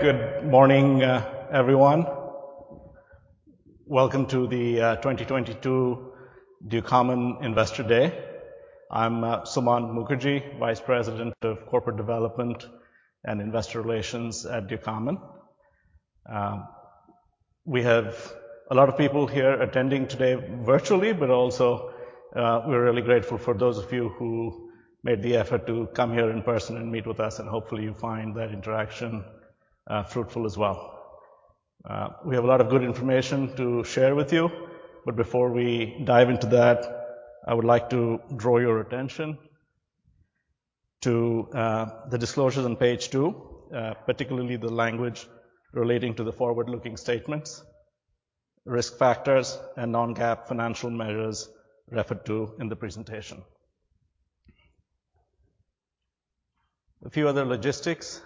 Good morning, everyone. Welcome to the 2022 Ducommun Investor Day. I'm Suman Mookerji, Vice President of Corporate Development and Investor Relations at Ducommun. We have a lot of people here attending today virtually, but also, we're really grateful for those of you who made the effort to come here in person and meet with us, and hopefully you find that interaction fruitful as well. We have a lot of good information to share with you, but before we dive into that, I would like to draw your attention to the disclosures on page two, particularly the language relating to the forward-looking statements, risk factors, and non-GAAP financial measures referred to in the presentation. A few other logistics.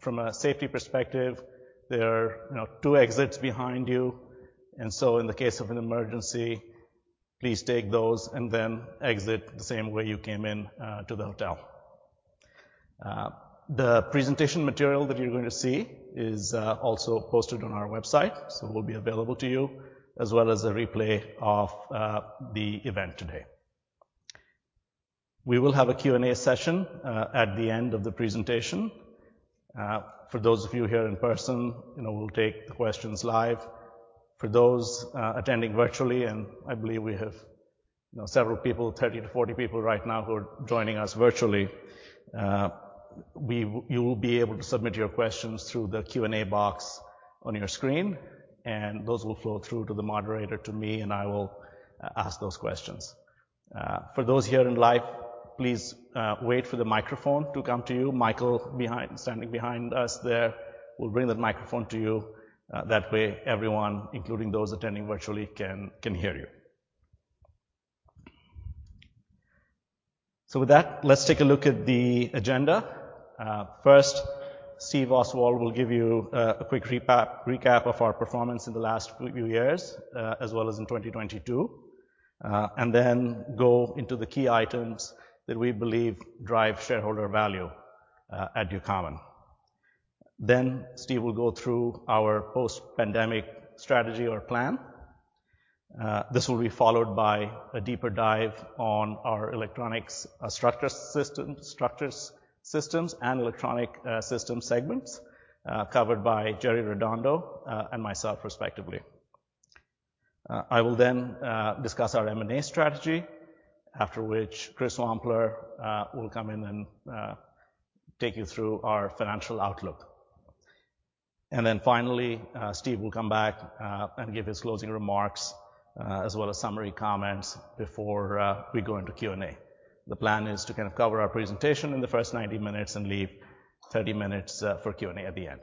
From a safety perspective, there are, you know, two exits behind you. In the case of an emergency, please take those and exit the same way you came in to the hotel. The presentation material that you're going to see is also posted on our website. It will be available to you, as well as a replay of the event today. We will have a Q&A session at the end of the presentation. For those of you here in person, you know, we'll take the questions live. For those attending virtually, and I believe we have, you know, several people, 30 to 40 people right now who are joining us virtually, you will be able to submit your questions through the Q&A box on your screen, and those will flow through to the moderator, to me, and I will ask those questions. For those here in live, please wait for the microphone to come to you. Michael behind, standing behind us there will bring the microphone to you. That way, everyone, including those attending virtually, can hear you. With that, let's take a look at the agenda. First, Steve Oswald will give you a quick recap of our performance in the last few years, as well as in 2022. Then go into the key items that we believe drive shareholder value at Ducommun. Steve will go through our post-pandemic strategy or plan. This will be followed by a deeper dive on our electronics, structures systems and electronic systems segments, covered by Jerry Redondo and myself respectively. I will then discuss our M&A strategy, after which Chris Wampler will come in and take you through our financial outlook. Finally, Steve will come back and give his closing remarks, as well as summary comments before we go into Q&A. The plan is to kind of cover our presentation in the first 90 minutes and leave 30 minutes for Q&A at the end.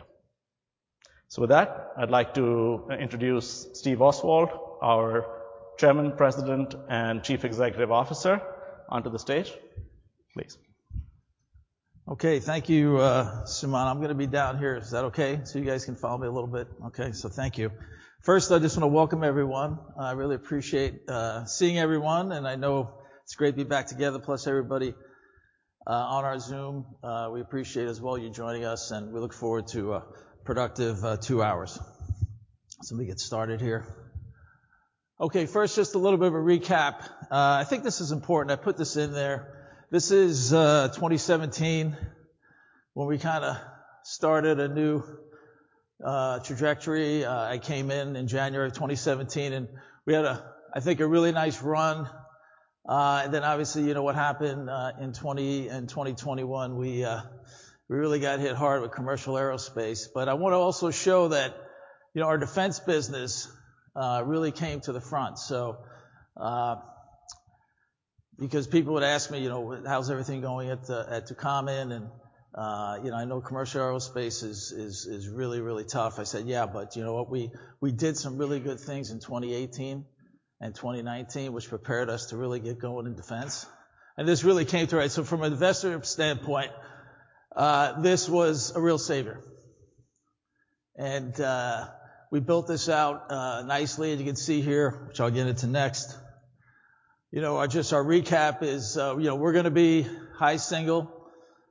With that, I'd like to introduce Steve Oswald, our Chairman, President, and Chief Executive Officer, onto the stage, please. Thank you, Suman. I'm gonna be down here. Is that okay? You guys can follow me a little bit. Thank you. First, I just wanna welcome everyone. I really appreciate seeing everyone, and I know it's great to be back together, plus everybody on our Zoom. We appreciate as well you joining us, and we look forward to a productive two hours. Let me get started here. First, just a little bit of a recap. I think this is important. I put this in there. This is 2017, when we kinda started a new trajectory. I came in in January of 2017, and we had a, I think, a really nice run. Obviously, you know what happened, in 2020 and 2021. We really got hit hard with commercial aerospace. I wanna also show that, you know, our defense business really came to the front. Because people would ask me, you know, "How's everything going at Ducommun?" You know, I know commercial aerospace is really, really tough. I said, "Yeah, but you know what? We did some really good things in 2018 and 2019, which prepared us to really get going in defense." This really came through. From an investor standpoint, this was a real savior. We built this out nicely, as you can see here, which I'll get into next. You know, just our recap is, you know, we're gonna be high single.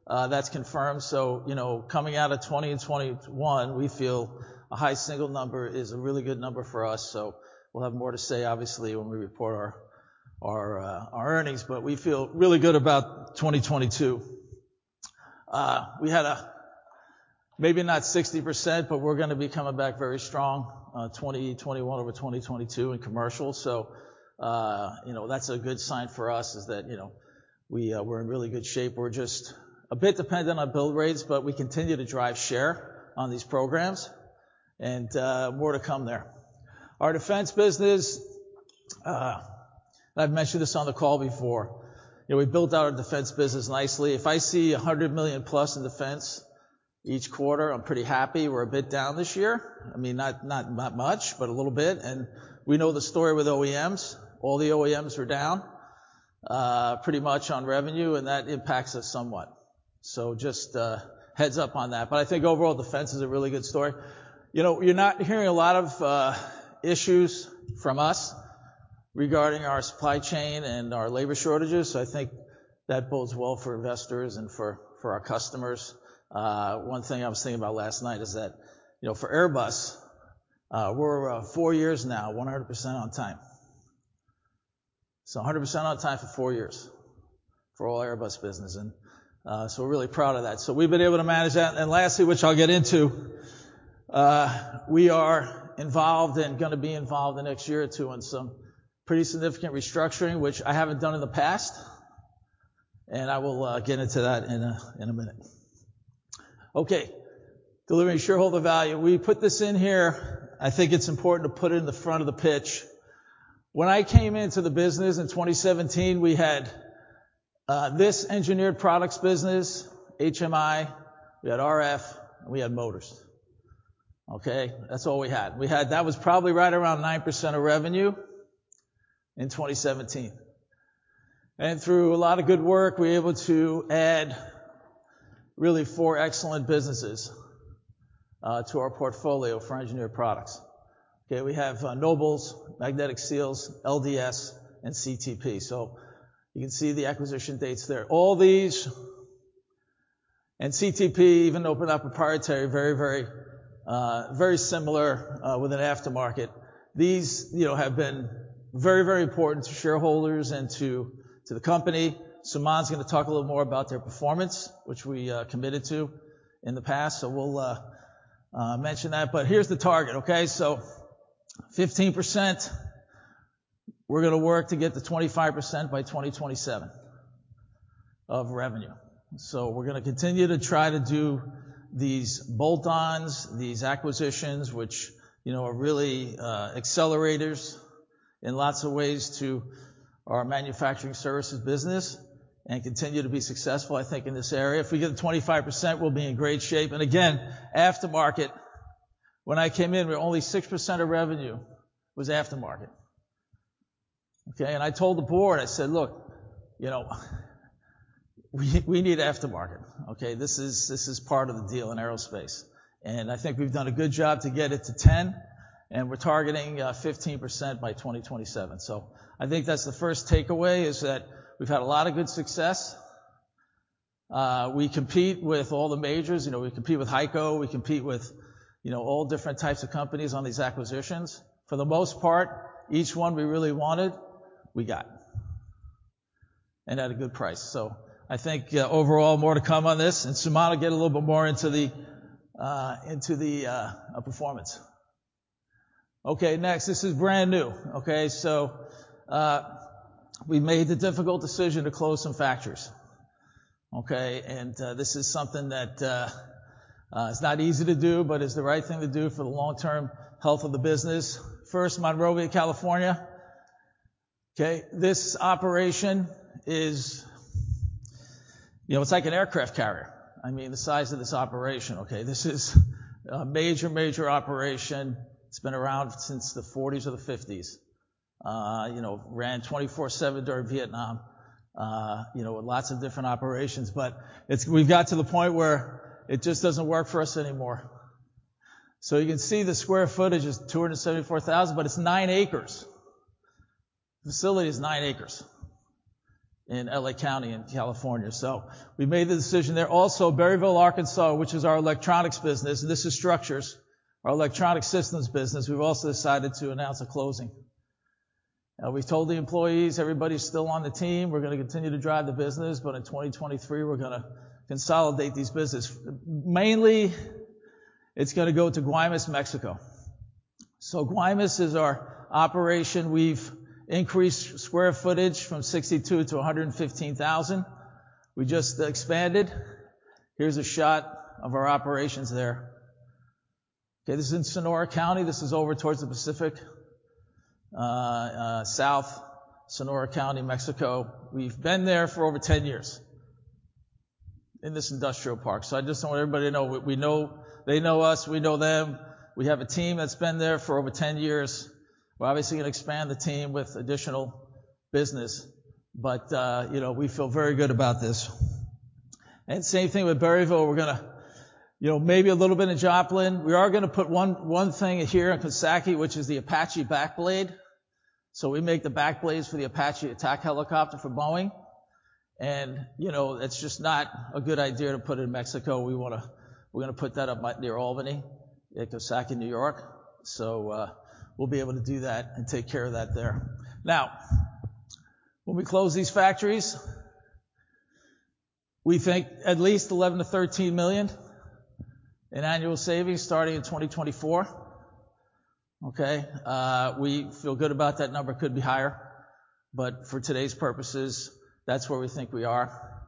That's confirmed. You know, coming out of 2021, we feel a high single number is a really good number for us, we'll have more to say obviously when we report our earnings. We feel really good about 2022. Maybe not 60%, but we're gonna be coming back very strong on 2021 over 2022 in commercial. You know, that's a good sign for us is that, you know, we're in really good shape. We're just a bit dependent on build rates, but we continue to drive share on these programs and more to come there. Our defense business, and I've mentioned this on the call before, you know, we've built our defense business nicely. If I see $100 million-plus in defense each quarter, I'm pretty happy. We're a bit down this year. I mean, not much, but a little bit. We know the story with OEMs. All the OEMs are down, pretty much on revenue, and that impacts us somewhat. Just heads up on that. I think overall, defense is a really good story. You know, you're not hearing a lot of issues from us. Regarding our supply chain and our labor shortages, I think that bodes well for investors and for our customers. One thing I was thinking about last night is that, you know, for Airbus, we're four years now, 100% on time. A 100% on time for four years for all Airbus business. We're really proud of that. We've been able to manage that. Lastly, which I'll get into, we are involved and gonna be involved the next year or two on some pretty significant restructuring, which I haven't done in the past, and I will get into that in a minute. Okay, delivering shareholder value. We put this in here. I think it's important to put it in the front of the pitch. When I came into the business in 2017, we had this engineered products business, HMI, we had RF, and we had motors. Okay? That's all we had. That was probably right around 9% of revenue in 2017. Through a lot of good work, we're able to add really four excellent businesses to our portfolio for engineered products. Okay? We have Nobles, Magnetic Seals, LDS, and CTP. So you can see the acquisition dates there. All these, CTP even opened up proprietary very similar with an aftermarket. These, you know, have been very important to shareholders and to the company. Suman's gonna talk a little more about their performance, which we committed to in the past. We'll mention that. Here's the target, okay? 15%, we're gonna work to get to 25% by 2027 of revenue. We're gonna continue to try to do these bolt-ons, these acquisitions, which, you know, are really accelerators in lots of ways to our manufacturing services business and continue to be successful, I think, in this area. If we get to 25%, we'll be in great shape. Again, aftermarket, when I came in, we were only 6% of revenue was aftermarket. Okay? I told the board, I said, "Look, you know, we need aftermarket." Okay? This is part of the deal in aerospace. I think we've done a good job to get it to 10%, and we're targeting 15% by 2027. I think that's the first takeaway is that we've had a lot of good success. We compete with all the majors. You know, we compete with HEICO, we compete with, you know, all different types of companies on these acquisitions. For the most part, each one we really wanted, we got, and at a good price. I think overall, more to come on this. Suman will get a little bit more into the performance. Okay, next. This is brand-new. Okay? We made the difficult decision to close some factories. Okay? This is something that is not easy to do, but it's the right thing to do for the long-term health of the business. First, Monrovia, California. Okay. This operation is, you know, it's like an aircraft carrier. I mean, the size of this operation, okay. This is a major operation. It's been around since the 40s or the 50s. You know, ran 24/7 during Vietnam, you know, with lots of different operations. We've got to the point where it just doesn't work for us anymore. You can see the square footage is 274,000, but it's 9 acres. Facility is 9 acres in L.A. County in California. We made the decision there. Also, Berryville, Arkansas, which is our electronics business, and this is structures. Our electronic systems business, we've also decided to announce a closing. We've told the employees everybody's still on the team. We're gonna continue to drive the business. In 2023, we're gonna consolidate these business. Mainly, it's gonna go to Guaymas, Mexico. Guaymas is our operation. We've increased square footage from 62 to 115,000. We just expanded. Here's a shot of our operations there. Okay? This is in Sonora County. This is over towards the Pacific, south Sonora County, Mexico. We've been there for over 10 years in this industrial park. I just want everybody to know, we know. They know us, we know them. We have a team that's been there for over 10 years. We're obviously gonna expand the team with additional business, but, you know, we feel very good about this. Same thing with Berryville. We're gonna, you know, maybe a little bit in Joplin. We are gonna put one thing here in Coxsackie, which is the Apache back blade. We make the back blades for the Apache attack helicopter for Boeing. You know, it's just not a good idea to put it in Mexico. We're gonna put that up by near Albany in Coxsackie, New York. We'll be able to do that and take care of that there. Now, when we close these factories, we think at least $11 million-$13 million in annual savings starting in 2024. Okay? We feel good about that number. Could be higher, for today's purposes, that's where we think we are.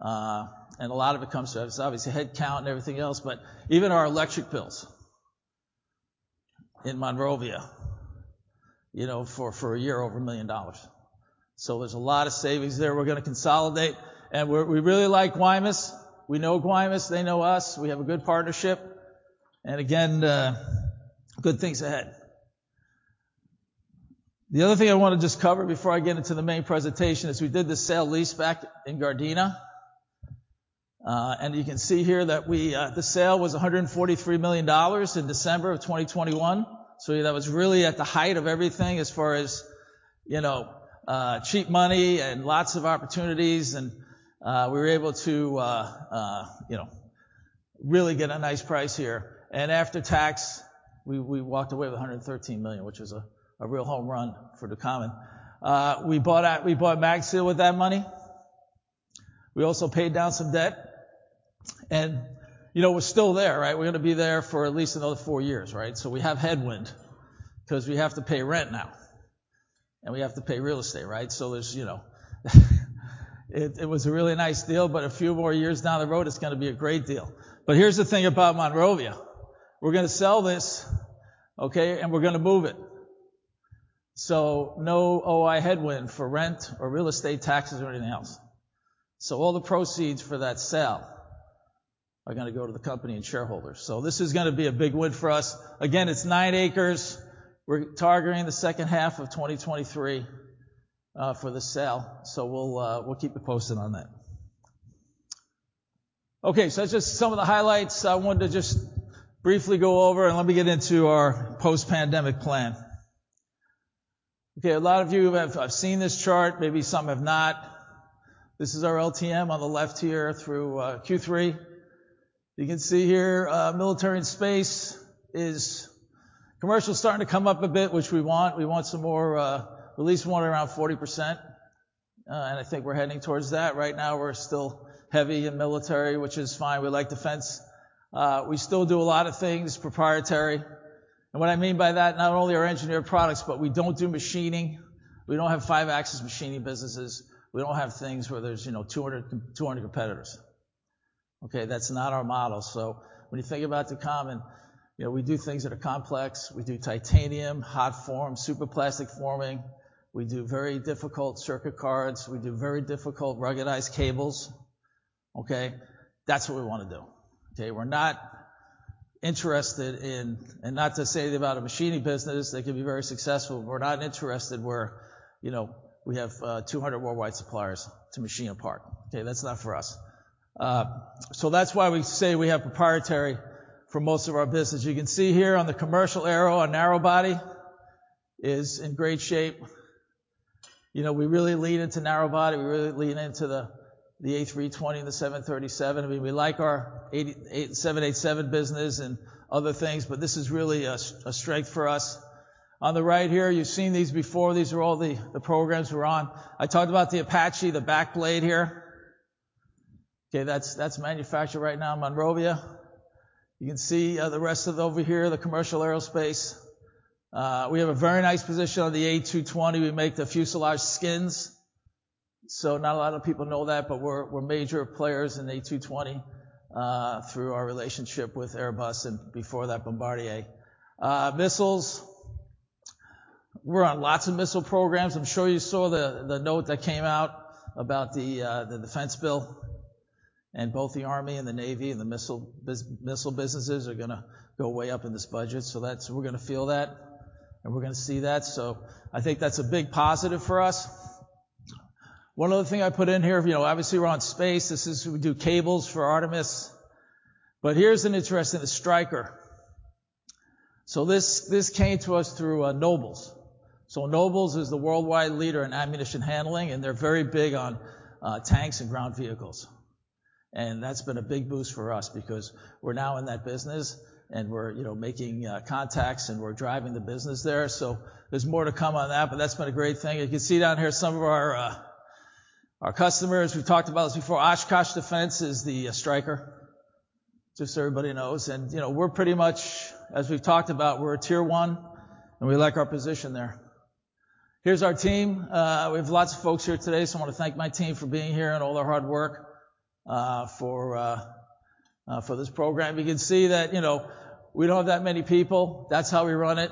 A lot of it comes to, obviously, headcount and everything else, even our electric bills in Monrovia, you know, for a year, over $1 million. There's a lot of savings there we're gonna consolidate. We really like Guaymas. We know Guaymas. They know us. We have a good partnership. Again, good things ahead. The other thing I wanna just cover before I get into the main presentation is we did the sale lease back in Gardena. You can see here that we, the sale was $143 million in December of 2021. That was really at the height of everything as far as, you know, cheap money and lots of opportunities and we were able to, you know, really get a nice price here. After tax, we walked away with $113 million, which is a real home run for Ducommun. We bought MagSeal with that money. You know, we're still there, right? We're gonna be there for at least another four years, right? We have headwind 'cause we have to pay rent now, and we have to pay real estate, right? There's, you know, it was a really nice deal, but a few more years down the road it's gonna be a great deal. Here's the thing about Monrovia. We're gonna sell this, okay, and we're gonna move it. No OI headwind for rent or real estate taxes or anything else. All the proceeds for that sale are gonna go to the company and shareholders. This is gonna be a big win for us. Again, it's nine acres. We're targeting the second half of 2023 for the sale. We'll keep you posted on that. That's just some of the highlights I wanted to just briefly go over, and let me get into our post-pandemic plan. A lot of you have seen this chart, maybe some have not. This is our LTM on the left here through Q3. You can see here, Military and Space. Commercial is starting to come up a bit, which we want. We want some more, at least wanting around 40%, and I think we're heading towards that. Right now we're still heavy in Military, which is fine. We like Defense. We still do a lot of things proprietary. What I mean by that, not only our engineered products, but we don't do machining. We don't have 5-axis machining businesses. We don't have things where there's, you know, 200 competitors. That's not our model. When you think about Ducommun, you know, we do things that are complex. We do titanium, hot form, superplastic forming. We do very difficult circuit cards. We do very difficult ruggedized cables. Okay? That's what we wanna do. Okay? We're not interested in and not to say about a machining business, they can be very successful, but we're not interested where, you know, we have 200 worldwide suppliers to machine a part. Okay? That's not for us. That's why we say we have proprietary for most of our business. You can see here on the commercial aero and narrow body is in great shape. You know, we really lean into narrow body. We really lean into the A320 and the 737. I mean, we like our 88, 787 business and other things, but this is really a strength for us. On the right here, you've seen these before. These are all the programs we're on. I talked about the Apache, the back blade here. That's manufactured right now in Monrovia. You can see the rest of it over here, the commercial aerospace. We have a very nice position on the A220. We make the fuselage skins. Not a lot of people know that, but we're major players in A220 through our relationship with Airbus and before that Bombardier. Missiles, we're on lots of missile programs. I'm sure you saw the note that came out about the defense bill, and both the Army and the Navy and the missile businesses are gonna go way up in this budget. That's we're gonna feel that, and we're gonna see that. I think that's a big positive for us. One other thing I put in here, you know, obviously we're on space. We do cables for Artemis. Here's an interest in the Stryker. This came to us through Nobles. Nobles is the worldwide leader in ammunition handling, and they're very big on tanks and ground vehicles. That's been a big boost for us because we're now in that business and we're, you know, making contacts and we're driving the business there. There's more to come on that, but that's been a great thing. You can see down here some of our customers. We've talked about this before. Oshkosh Defense is the Stryker. Just so everybody knows. You know, we're pretty much, as we've talked about, we're a tier one and we like our position there. Here's our team. We have lots of folks here today, I wanna thank my team for being here and all their hard work for this program. You can see that, you know, we don't have that many people. That's how we run it,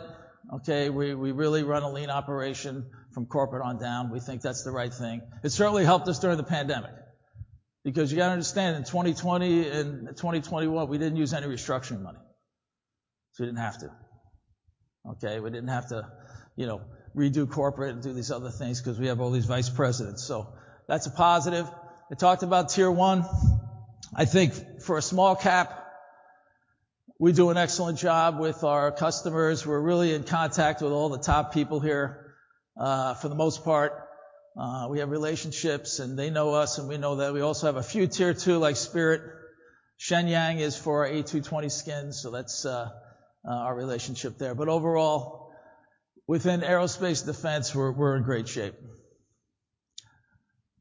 okay? We really run a lean operation from corporate on down. We think that's the right thing. It certainly helped us during the pandemic because you gotta understand, in 2020 and 2021, we didn't use any restructuring money. We didn't have to, okay? We didn't have to, you know, redo corporate and do these other things 'cause we have all these vice presidents. That's a positive. I talked about Tier 1. I think for a small cap, we do an excellent job with our customers. We're really in contact with all the top people here for the most part. We have relationships, and they know us, and we know them. We also have a few Tier 2, like Spirit. Shenyang is for our A220 skins, so that's our relationship there. Overall, within aerospace defense, we're in great shape.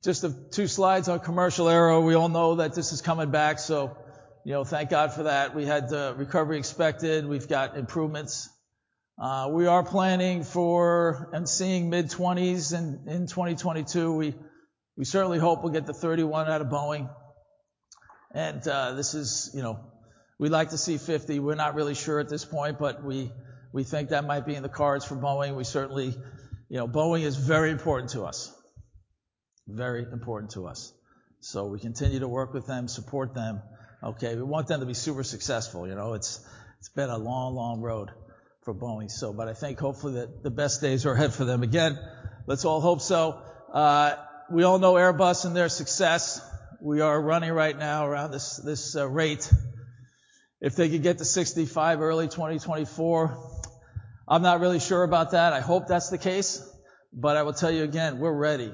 Just two slides on commercial aero. We all know that this is coming back, so, you know, thank God for that. We had the recovery expected. We've got improvements. We are planning for and seeing mid-20s in 2022. We certainly hope we'll get to 31 out of Boeing. This is, you know, we'd like to see 50. We're not really sure at this point, but we think that might be in the cards for Boeing. You know, Boeing is very important to us. Very important to us. We continue to work with them, support them, okay? We want them to be super successful. You know? It's been a long, long road for Boeing. I think hopefully that the best days are ahead for them. Again, let's all hope so. We all know Airbus and their success. We are running right now around this rate. If they could get to 65 early 2024, I'm not really sure about that. I hope that's the case. I will tell you again, we're ready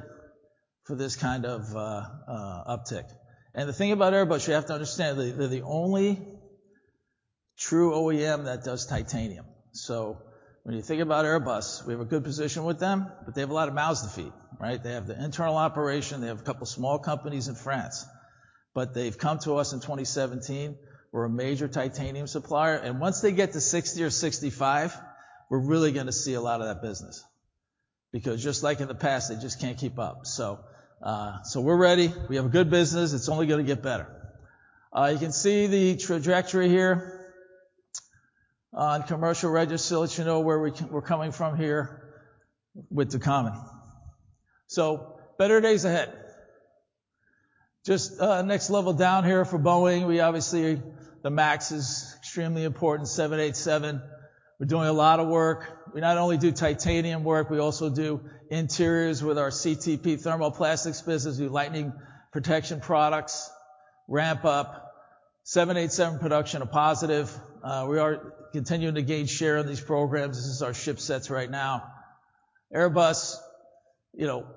for this kind of uptick. The thing about Airbus, you have to understand, they're the only true OEM that does titanium. When you think about Airbus, we have a good position with them. They have a lot of mouths to feed, right? They have the internal operation, they have a couple small companies in France. They've come to us in 2017. We're a major titanium supplier, and once they get to 60 or 65, we're really gonna see a lot of that business. Just like in the past, they just can't keep up. We're ready. We have a good business. It's only gonna get better. You can see the trajectory here on commercial register. Let you know where we're coming from here with Ducommun. Better days ahead. Just next level down here for Boeing. We obviously the MAX is extremely important, 787. We're doing a lot of work. We not only do titanium work, we also do interiors with our CTP thermoplastics business. We do lightning protection products, ramp up. 787 production, a positive. We are continuing to gain share in these programs. This is our ship sets right now. Airbus, you know,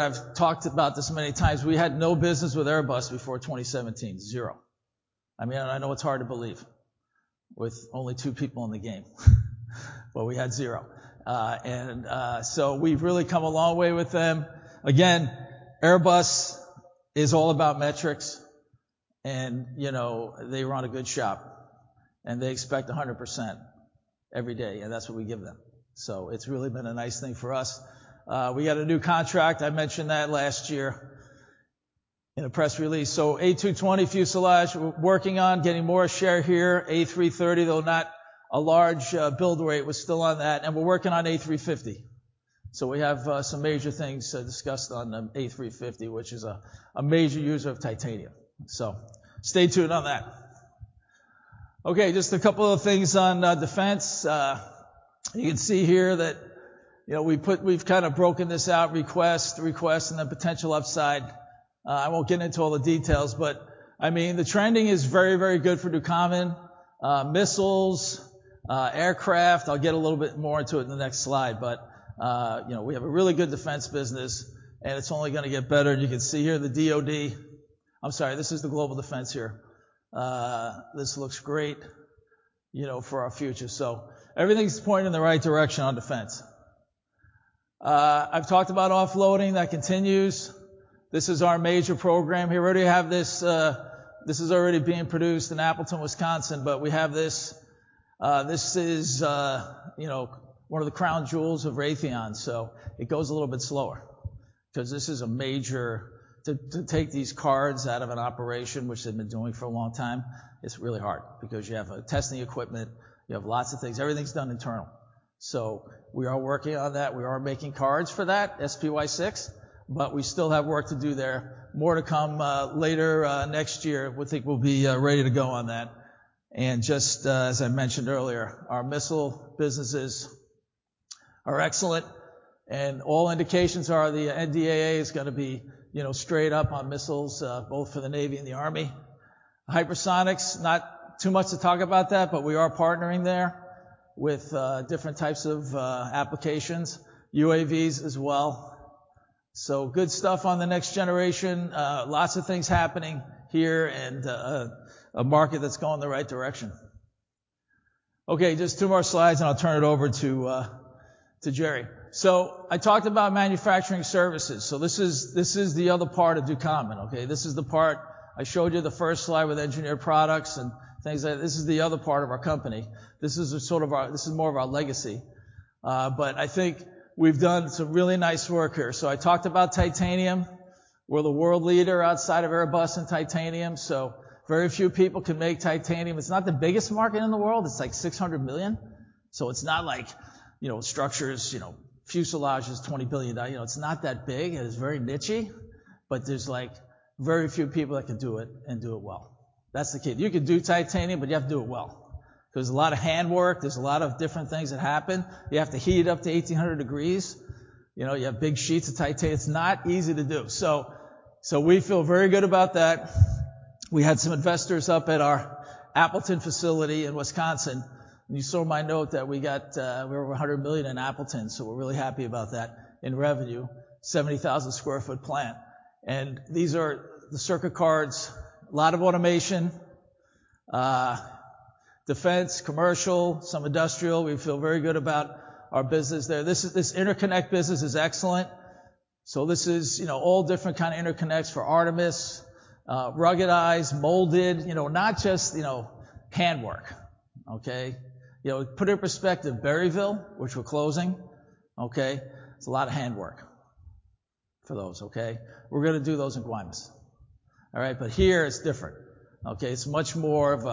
I've talked about this many times, we had no business with Airbus before 2017. Zero. I mean, I know it's hard to believe with only two people in the game, but we had zero. We've really come a long way with them. Again, Airbus is all about metrics and, you know, they run a good shop, and they expect 100% every day, and that's what we give them. It's really been a nice thing for us. We got a new contract. I mentioned that last year in a press release. A220 fuselage, working on getting more share here. A330, though not a large build rate, we're still on that, and we're working on A350. We have some major things discussed on A350, which is a major user of titanium. Stay tuned on that. Okay, just a couple of things on defense. You can see here that, you know, we've kind of broken this out, request, and the potential upside. I won't get into all the details, but I mean, the trending is very, very good for Ducommun. Missiles, aircraft. I'll get a little bit more into it in the next slide, but, you know, we have a really good defense business, and it's only gonna get better. You can see here the DOD, I'm sorry, this is the global defense here. This looks great, you know, for our future. Everything's pointing in the right direction on defense. I've talked about offloading. That continues. This is our major program here. We already have this is already being produced in Appleton, Wisconsin. We have this is, you know, one of the crown jewels of Raytheon, it goes a little bit slower 'cause this is a major. To take these cards out of an operation which they've been doing for a long time, it's really hard because you have testing equipment, you have lots of things. Everything's done internal. We are working on that. We are making cards for that, SPY-6. We still have work to do there. More to come later next year. We think we'll be ready to go on that. Just as I mentioned earlier, our missile businesses are excellent, and all indications are the NDAA is gonna be, you know, straight up on missiles, both for the Navy and the Army. Hypersonics, not too much to talk about that, but we are partnering there with different types of applications. UAVs as well. Good stuff on the next generation. Lots of things happening here and a market that's going the right direction. Okay, just two more slides and I'll turn it over to Jerry. I talked about manufacturing services. This is, this is the other part of Ducommun, okay? This is the part I showed you the first slide with engineered products and things like that. This is the other part of our company. This is more of our legacy. I think we've done some really nice work here. I talked about titanium. We're the world leader outside of Airbus in titanium. Very few people can make titanium. It's not the biggest market in the world. It's like $600 million. It's not like, you know, structures, you know, fuselage is $20 billion. You know, it's not that big, and it's very nichey, but there's, like, very few people that can do it and do it well. That's the key. You can do titanium, but you have to do it well 'cause there's a lot of hand work, there's a lot of different things that happen. You have to heat it up to 1,800 degrees. You know, you have big sheets of titanium. It's not easy to do. We feel very good about that. We had some investors up at our Appleton facility in Wisconsin. You saw my note that we got, we're over $100 million in Appleton, so we're really happy about that in revenue. 70,000 sq ft plant. These are the circuit cards. A lot of automation. Defense, commercial, some industrial. We feel very good about our business there. This interconnect business is excellent. This is, you know, all different kind of interconnects for Artemis, ruggedized, molded, you know, not just, you know, hand work, okay? You know, put it in perspective, Berryville, which we're closing, okay, it's a lot of hand work for those, okay? We're gonna do those in Guaymas. All right. Here it's different, okay? It's much more of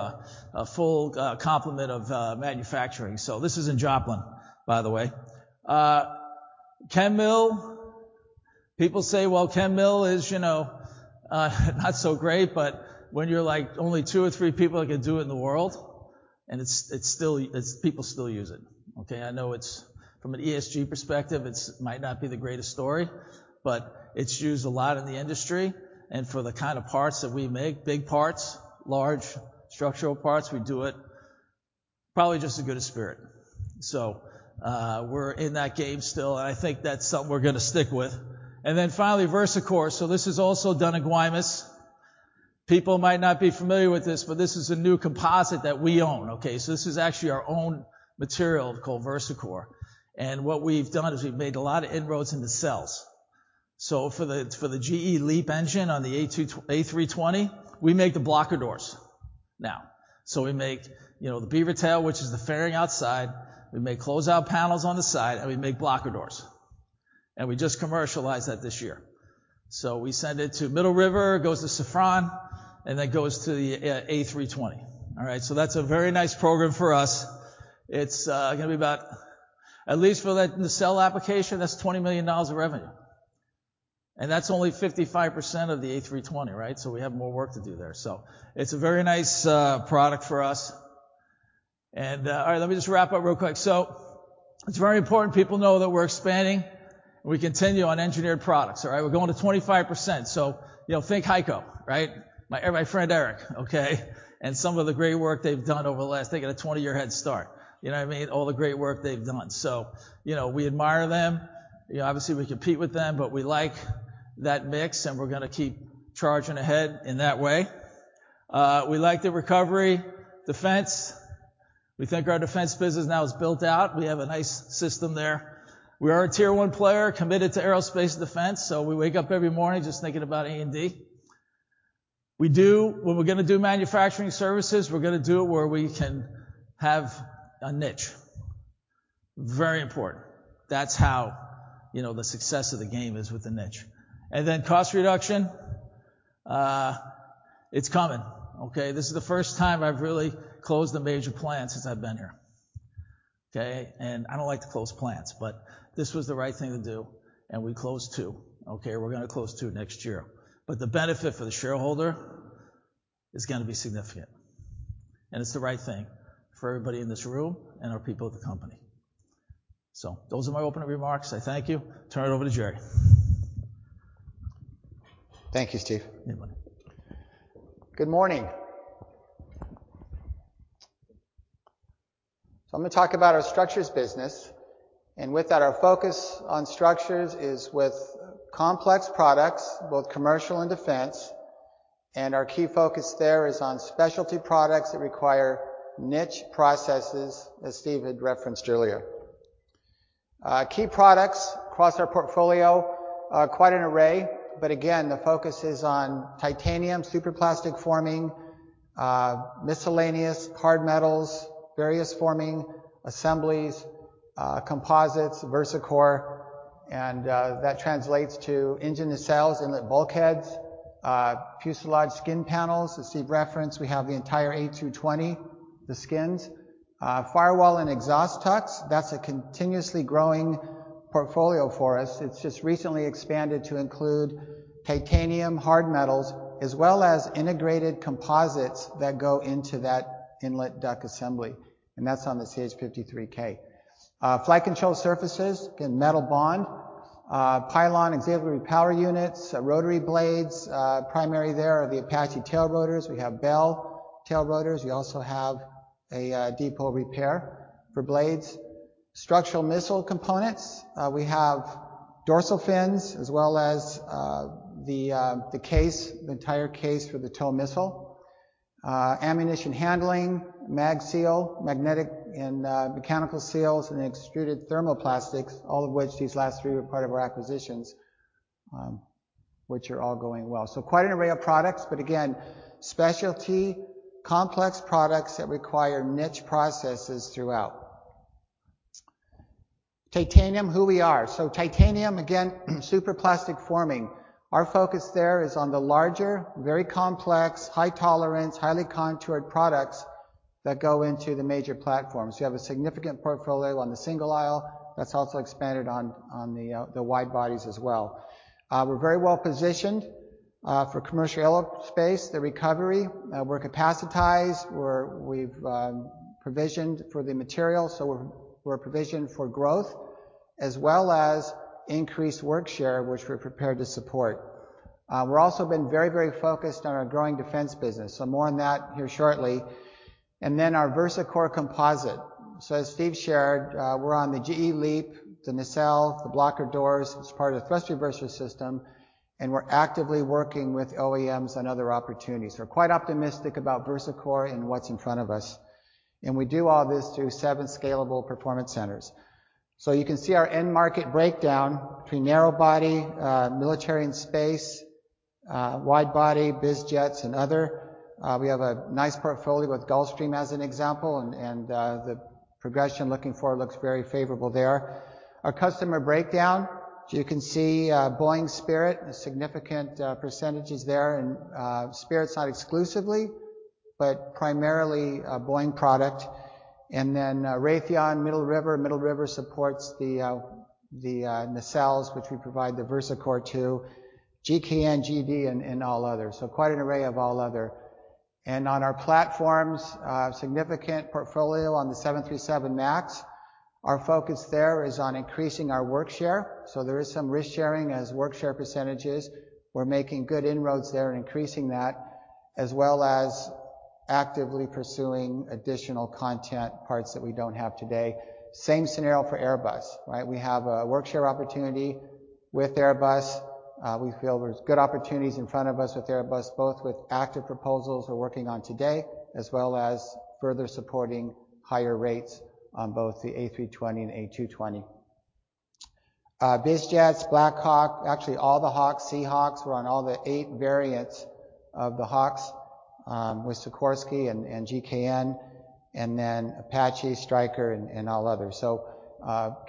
a full complement of manufacturing. This is in Joplin, by the way. Chem mill. People say, well, chem mill is, you know, not so great, but when you're like only two or three people that can do it in the world, and it's still, people still use it, okay. I know it's from an ESG perspective, it might not be the greatest story, but it's used a lot in the industry, and for the kind of parts that we make, big parts, large structural parts, we do it probably just as good as Spirit. We're in that game still, and I think that's something we're gonna stick with. Finally, VersaCore. This is also done in Guaymas. People might not be familiar with this, but this is a new composite that we own, okay. This is actually our own material called VersaCore. What we've done is we've made a lot of inroads into cells. For the, for the GE LEAP engine on the A320, we make the blocker doors now. We make, you know, the beavertail, which is the fairing outside. We make closeout panels on the side, and we make blocker doors. We just commercialized that this year. We send it to Middle River, it goes to Safran, and then it goes to the A320. All right? That's a very nice program for us. It's gonna be about, at least for that nacelle application, that's $20 million of revenue. That's only 55% of the A320, right? We have more work to do there. It's a very nice product for us. All right, let me just wrap up real quick. It's very important people know that we're expanding, we continue on engineered products. All right? We're going to 25%. You know, think HEICO, right? My friend Eric, okay? Some of the great work they've done over the last. They got a 20-year head start. You know what I mean? All the great work they've done. You know, we admire them. You know, obviously, we compete with them, but we like that mix, and we're gonna keep charging ahead in that way. We like the recovery. Defense. We think our defense business now is built out. We have a nice system there. We are a Tier 1 player committed to aerospace and defense. We wake up every morning just thinking about A&D. When we're gonna do manufacturing services, we're gonna do it where we can have a niche. Very important. That's how, you know, the success of the game is with the niche. Cost reduction, it's coming. Okay? This is the first time I've really closed a major plant since I've been here. Okay? I don't like to close plants, but this was the right thing to do, and we closed two. Okay? We're gonna close two next year. The benefit for the shareholder is gonna be significant, and it's the right thing for everybody in this room and our people at the company. Those are my opening remarks. I thank you. Turn it over to Jerry. Thank you, Steve. You're welcome. Good morning. I'm gonna talk about our structures business, and with that, our focus on structures is with complex products, both Commercial and Defense. Our key focus there is on specialty products that require niche processes, as Steve had referenced earlier. Key products across our portfolio are quite an array, but again, the focus is on titanium, superplastic forming, miscellaneous hard metals, various forming assemblies, composites, VersaCore, and that translates to engine nacelles, inlet bulkheads, fuselage skin panels. As Steve referenced, we have the entire A220, the skins. Firewall and exhaust ducts, that's a continuously growing portfolio for us. It's just recently expanded to include titanium hard metals, as well as integrated composites that go into that inlet duct assembly, and that's on the CH-53K. Flight control surfaces, again, metal bond, pylon and auxiliary power units, rotary blades, primary there are the Apache tail rotors. We have Bell tail rotors. We also have a depot repair for blades. Structural missile components, we have dorsal fins as well as the case, the entire case for the TOW missile. Ammunition handling, MagSeal, magnetic and mechanical seals and extruded thermoplastics, all of which these last three were part of our acquisitions, which are all going well. Quite an array of products, but again, specialty complex products that require niche processes throughout. Titanium, who we are. Titanium, again, superplastic forming. Our focus there is on the larger, very complex, high tolerance, highly contoured products that go into the major platforms. We have a significant portfolio on the single aisle that's also expanded on the wide bodies as well. We're very well positioned for commercial aerospace, the recovery. We're capacitized. We've provisioned for the material, so we're provisioned for growth as well as increased workshare, which we're prepared to support. We're also been very focused on our growing defense business. More on that here shortly. Our VersaCore Composite. As Steve shared, we're on the GE LEAP, the nacelle, the blocker doors. It's part of the thrust reverser system, and we're actively working with OEMs on other opportunities. We're quite optimistic about VersaCore and what's in front of us, and we do all this through seven scalable performance centers. You can see our end market breakdown between narrow body, military and space, wide body, biz jets and other. We have a nice portfolio with Gulfstream as an example and the progression looking forward looks very favorable there. Our customer breakdown, you can see, Boeing, Spirit, significant percentages there, and Spirit's not exclusively but primarily a Boeing product. Raytheon, Middle River. Middle River supports the nacelles, which we provide the VersaCore to GKN, GD, and all others. Quite an array of all other. On our platforms, significant portfolio on the 737 MAX. Our focus there is on increasing our workshare. There is some risk-sharing as workshare percentages. We're making good inroads there in increasing that, as well as actively pursuing additional content parts that we don't have today. Same scenario for Airbus, right? We have a workshare opportunity with Airbus. We feel there's good opportunities in front of us with Airbus, both with active proposals we're working on today, as well as further supporting higher rates on both the A320 and A220. Biz jets, Black Hawk, actually all the Hawks, Seahawks. We're on all the eight variants of the Hawks with Sikorsky and GKN, and then Apache, Stryker and all others.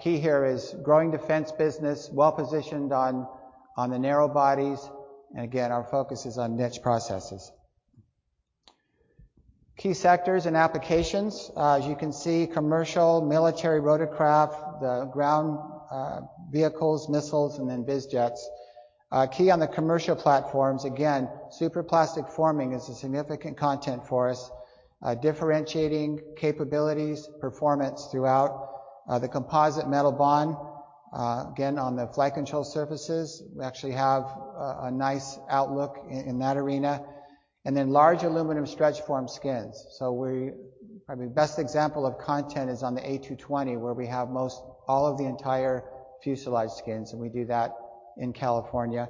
Key here is growing defense business, well-positioned on the narrow bodies, again, our focus is on niche processes. Key sectors and applications. As you can see, commercial, military rotorcraft, the ground, vehicles, missiles, and then biz jets. Key on the commercial platforms, again, superplastic forming is a significant content for us. Differentiating capabilities, performance throughout. The composite metal bond, again, on the flight control surfaces, we actually have a nice outlook in that arena. Large aluminum stretch form skins. Probably best example of content is on the A220, where we have most all of the entire fuselage skins, and we do that in California.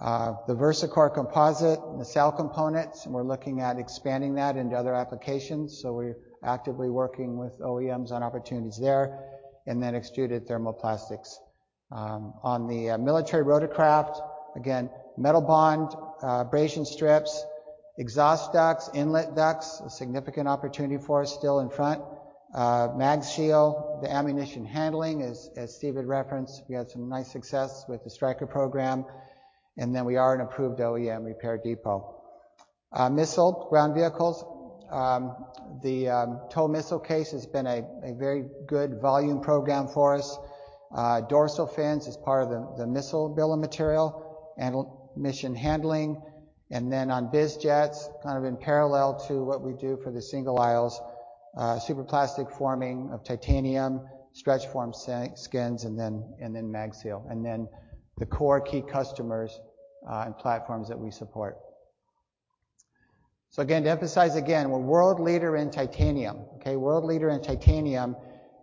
The VersaCore Composite, nacelle components, and we're looking at expanding that into other applications, so we're actively working with OEMs on opportunities there. Extruded thermoplastics. On the military rotorcraft, again, metal bond, abrasion strips, exhaust ducts, inlet ducts, a significant opportunity for us still in front. MagSeal, the ammunition handling, as Steve had referenced, we had some nice success with the Stryker program. We are an approved OEM repair depot. Missile, ground vehicles. The TOW missile case has been a very good volume program for us. Dorsal fins is part of the missile bill of material and mission handling. On biz jets, kind of in parallel to what we do for the single aisles, superplastic forming of titanium, stretch form sa-skins, and then MagSeal. The core key customers and platforms that we support. To emphasize again, we're world leader in titanium, okay? World leader in titanium,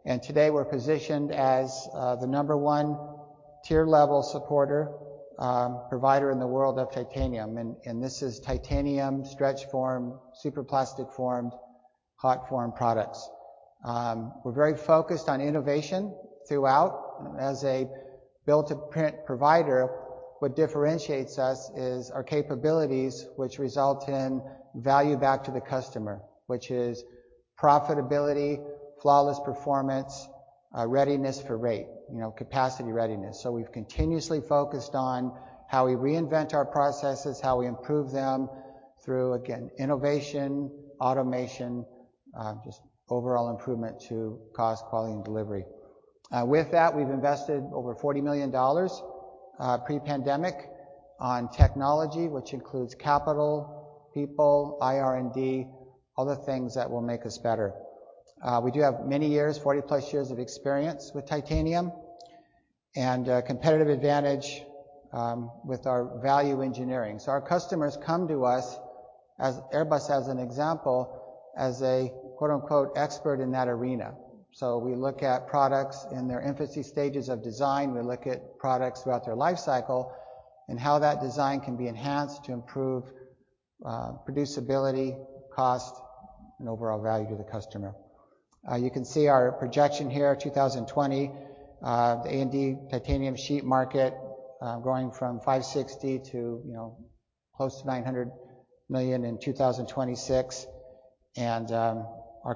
and today we're positioned as the number one tier-level supporter, provider in the world of titanium. And this is titanium stretch form, superplastic formed, hot form products. We're very focused on innovation throughout. As a build-to-print provider, what differentiates us is our capabilities which result in value back to the customer, which is profitability, flawless performance, readiness for rate, you know, capacity readiness. We've continuously focused on how we reinvent our processes, how we improve them through, again, innovation, automation, just overall improvement to cost, quality, and delivery. With that, we've invested over $40 million pre-pandemic on technology, which includes capital, people, IR&D, other things that will make us better. We do have many years, 40-plus years of experience with titanium and competitive advantage with our value engineering. Our customers come to us as, Airbus as an example, as a, quote-unquote, "expert in that arena." We look at products in their infancy stages of design, we look at products throughout their life cycle, and how that design can be enhanced to improve producibility, cost, and overall value to the customer. You can see our projection here, 2020. The A&D titanium sheet market growing from $560 million to, you know, close to $900 million in 2026. Our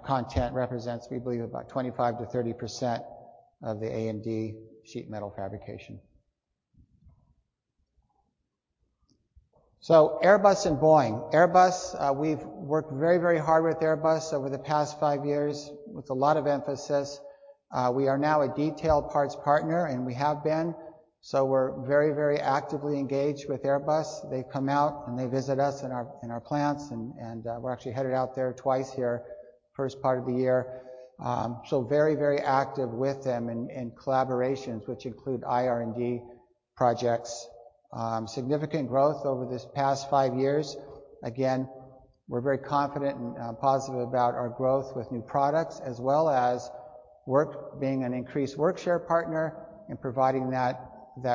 content represents, we believe, about 25%-30% of the A&D sheet metal fabrication. Airbus and Boeing. Airbus, we've worked very, very hard with Airbus over the past five years with a lot of emphasis. We are now a detailed parts partner, and we have been. We're very, very actively engaged with Airbus. They come out, and they visit us in our, in our plants and, we're actually headed out there twice here first part of the year. Very, very active with them in collaborations which include R&D projects. Significant growth over this past five years. Again, we're very confident and positive about our growth with new products as well as being an increased workshare partner and providing that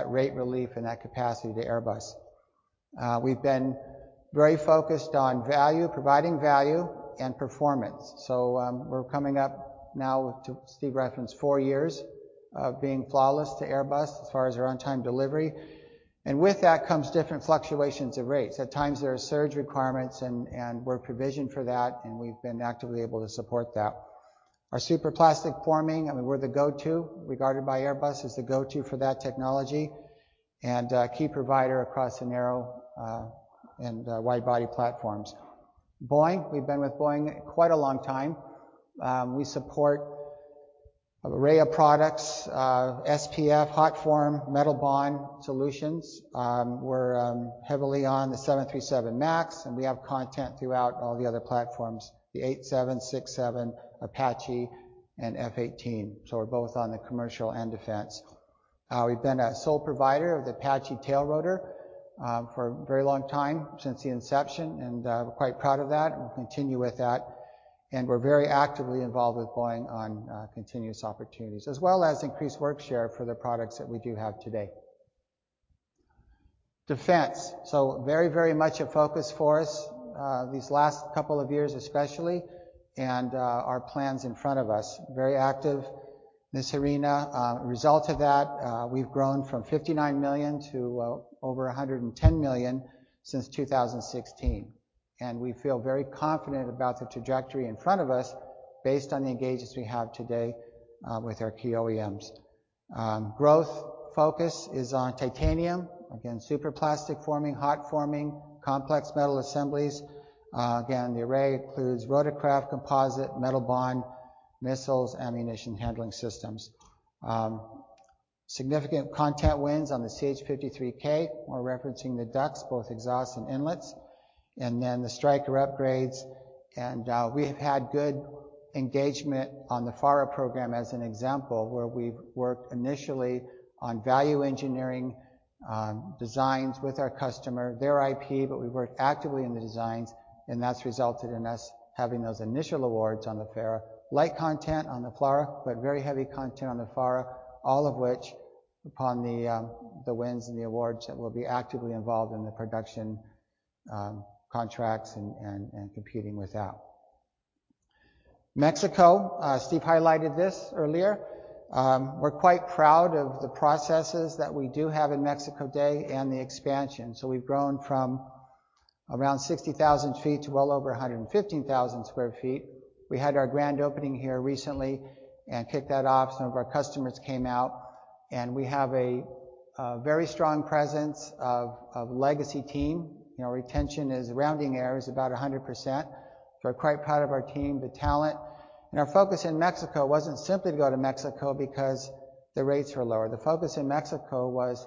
rate relief and that capacity to Airbus. We've been very focused on value, providing value and performance. We're coming up now to, Steve referenced, four years of being flawless to Airbus as far as our on-time delivery. With that comes different fluctuations of rates. At times, there are surge requirements and we're provisioned for that, and we've been actively able to support that. Our superplastic forming, I mean, we're the go-to, regarded by Airbus as the go-to for that technology, and key provider across the narrow and wide body platforms. Boeing, we've been with Boeing quite a long time. We support an array of products, SPF, hot form, metal bond solutions. We're heavily on the 737 MAX, and we have content throughout all the other platforms, the 787, 767, Apache and F/A-18. We're both on the commercial and defense. We've been a sole provider of the Apache tail rotor for a very long time, since the inception, and we're quite proud of that, and we'll continue with that. We're very actively involved with Boeing on continuous opportunities, as well as increased workshare for the products that we do have today. Defense. Very, very much a focus for us these last couple of years especially, and our plans in front of us. Very active this arena. A result of that, we've grown from $59 million to over $110 million since 2016. We feel very confident about the trajectory in front of us based on the engagements we have today with our key OEMs. Growth focus is on titanium. Again, superplastic forming, hot forming, complex metal assemblies. Again, the array includes rotorcraft, composite, metal bond, missiles, ammunition handling systems. Significant content wins on the CH-53K. We're referencing the ducts, both exhausts and inlets, and then the Stryker upgrades. We have had good engagement on the FARA program as an example, where we've worked initially on value engineering designs with our customer, their IP, but we worked actively in the designs, and that's resulted in us having those initial awards on the FARA. Light content on the FLRAA, but very heavy content on the FARA, all of which, upon the wins and the awards that we'll be actively involved in the production contracts and competing with that. Mexico. Steve highlighted this earlier. We're quite proud of the processes that we do have in Mexico today and the expansion. We've grown from around 60,000 sq ft to well over 115,000 sq ft. We had our grand opening here recently and kicked that off. Some of our customers came out, and we have a very strong presence of legacy team. You know, retention is, rounding error, about 100%. We're quite proud of our team, the talent. Our focus in Mexico wasn't simply to go to Mexico because the rates were lower. The focus in Mexico was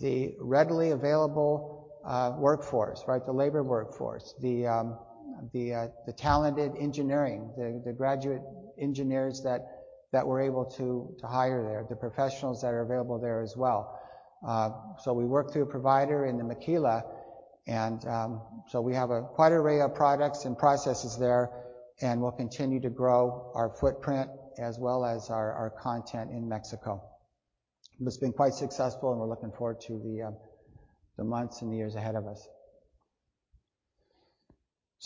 the readily available workforce, right? The labor workforce, the talented engineering, the graduate engineers that we're able to hire there, the professionals that are available there as well. We work through a provider in the maquila, and so we have a quite array of products and processes there, and we'll continue to grow our footprint as well as our content in Mexico. This has been quite successful, and we're looking forward to the months and the years ahead of us.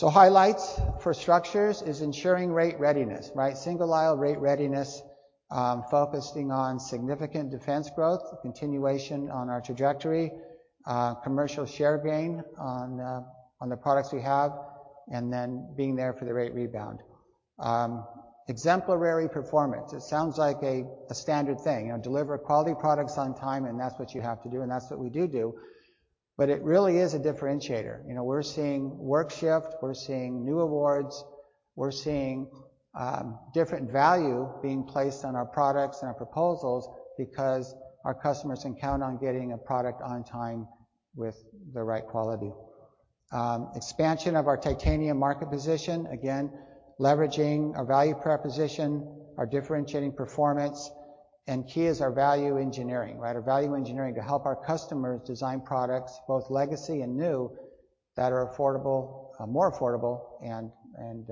Highlights for structures is ensuring rate readiness, right? Single aisle rate readiness, focusing on significant defense growth, continuation on our trajectory, commercial share gain on the products we have, and then being there for the rate rebound. Exemplary performance. It sounds like a standard thing. You know, deliver quality products on time, and that's what you have to do, and that's what we do do. It really is a differentiator. You know, we're seeing work shift, we're seeing new awards, we're seeing different value being placed on our products and our proposals because our customers can count on getting a product on time with the right quality. Expansion of our titanium market position. Again, leveraging our value proposition, our differentiating performance, and key is our value engineering, right? Our value engineering to help our customers design products, both legacy and new, that are affordable, more affordable and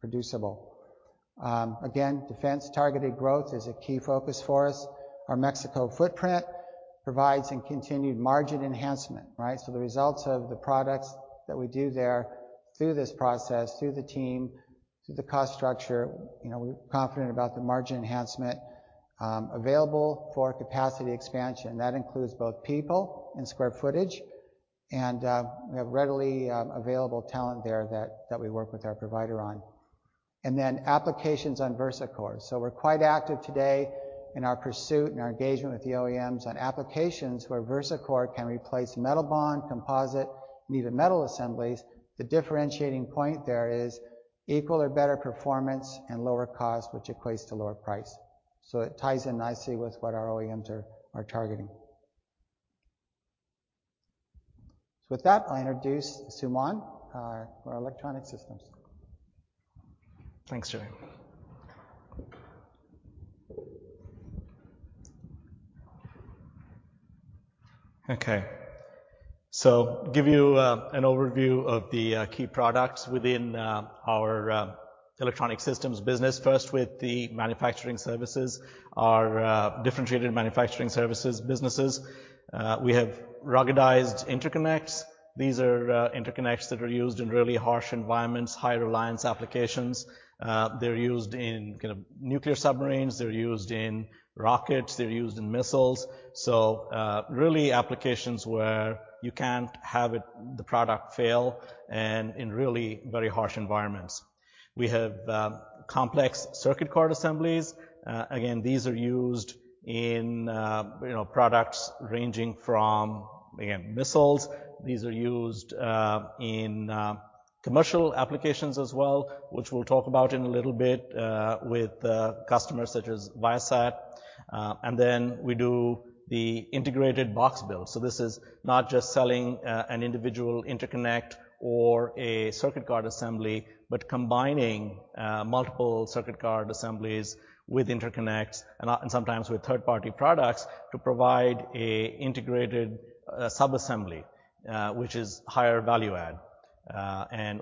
producible. Again, defense targeted growth is a key focus for us. Our Mexico footprint provides a continued margin enhancement, right? The results of the products that we do there through this process, through the team, through the cost structure, you know, we're confident about the margin enhancement available for capacity expansion. That includes both people and square footage, and we have readily available talent there that we work with our provider on. Applications on VersaCore. We're quite active today in our pursuit and our engagement with the OEMs on applications where VersaCore can replace metal bond, composite, and even metal assemblies. The differentiating point there is equal or better performance and lower cost, which equates to lower price. It ties in nicely with what our OEMs are targeting. With that, I'll introduce Suman, our electronic systems. Thanks, Jerry. Give you an overview of the key products within our electronic systems business. First with the manufacturing services, our differentiated manufacturing services businesses. We have ruggedized interconnects. These are interconnects that are used in really harsh environments, high reliance applications. They're used in kind of nuclear submarines. They're used in rockets. They're used in missiles. Really applications where you can't have The product fail and in really very harsh environments. We have complex circuit card assemblies. Again, these are used in, you know, products ranging from, again, missiles. These are used in commercial applications as well, which we'll talk about in a little bit, with customers such as Viasat. We do the integrated box build. This is not just selling an individual interconnect or a circuit card assembly, but combining multiple circuit card assemblies with interconnects and sometimes with third-party products to provide a integrated sub-assembly, which is higher value add.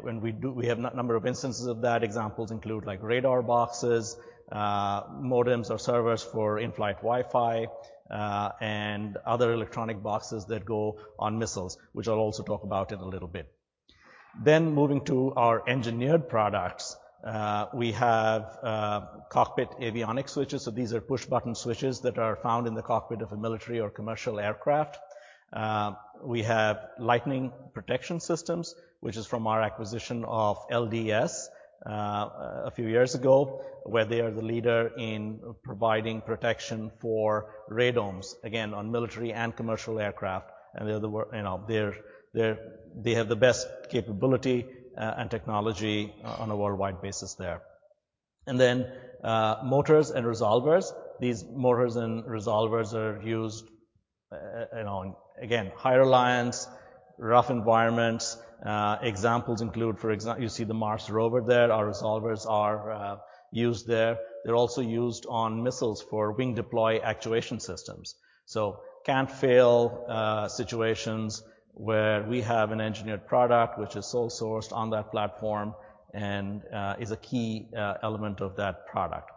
When we do, we have number of instances of that. Examples include like radar boxes, modems or servers for in-flight Wi-Fi, and other electronic boxes that go on missiles, which I'll also talk about in a little bit. Moving to our engineered products. We have cockpit avionics switches. These are push-button switches that are found in the cockpit of a military or commercial aircraft. We have lightning protection systems, which is from our acquisition of LDS a few years ago, where they are the leader in providing protection for radomes, again, on military and commercial aircraft. They're, you know, they're, they have the best capability and technology on a worldwide basis there. Motors and resolvers. These motors and resolvers are used, you know, again, high reliance, rough environments. Examples include, you see the Mars rover there. Our resolvers are used there. They're also used on missiles for wing deploy actuation systems. Can't fail situations where we have an engineered product which is sole sourced on that platform and is a key element of that product.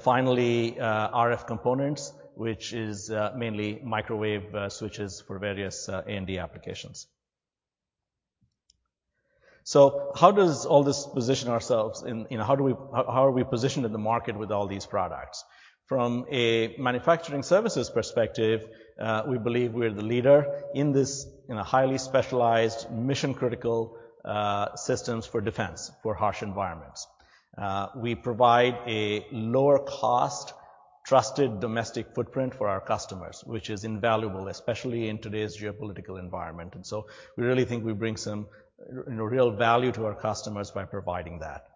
Finally, RF components, which is mainly microwave switches for various A&D applications. How does all this position ourselves and, you know, how are we positioned in the market with all these products? From a manufacturing services perspective, we believe we're the leader in this, in a highly specialized mission-critical systems for defense, for harsh environments. We provide a lower cost, trusted domestic footprint for our customers, which is invaluable, especially in today's geopolitical environment. We really think we bring some real value to our customers by providing that.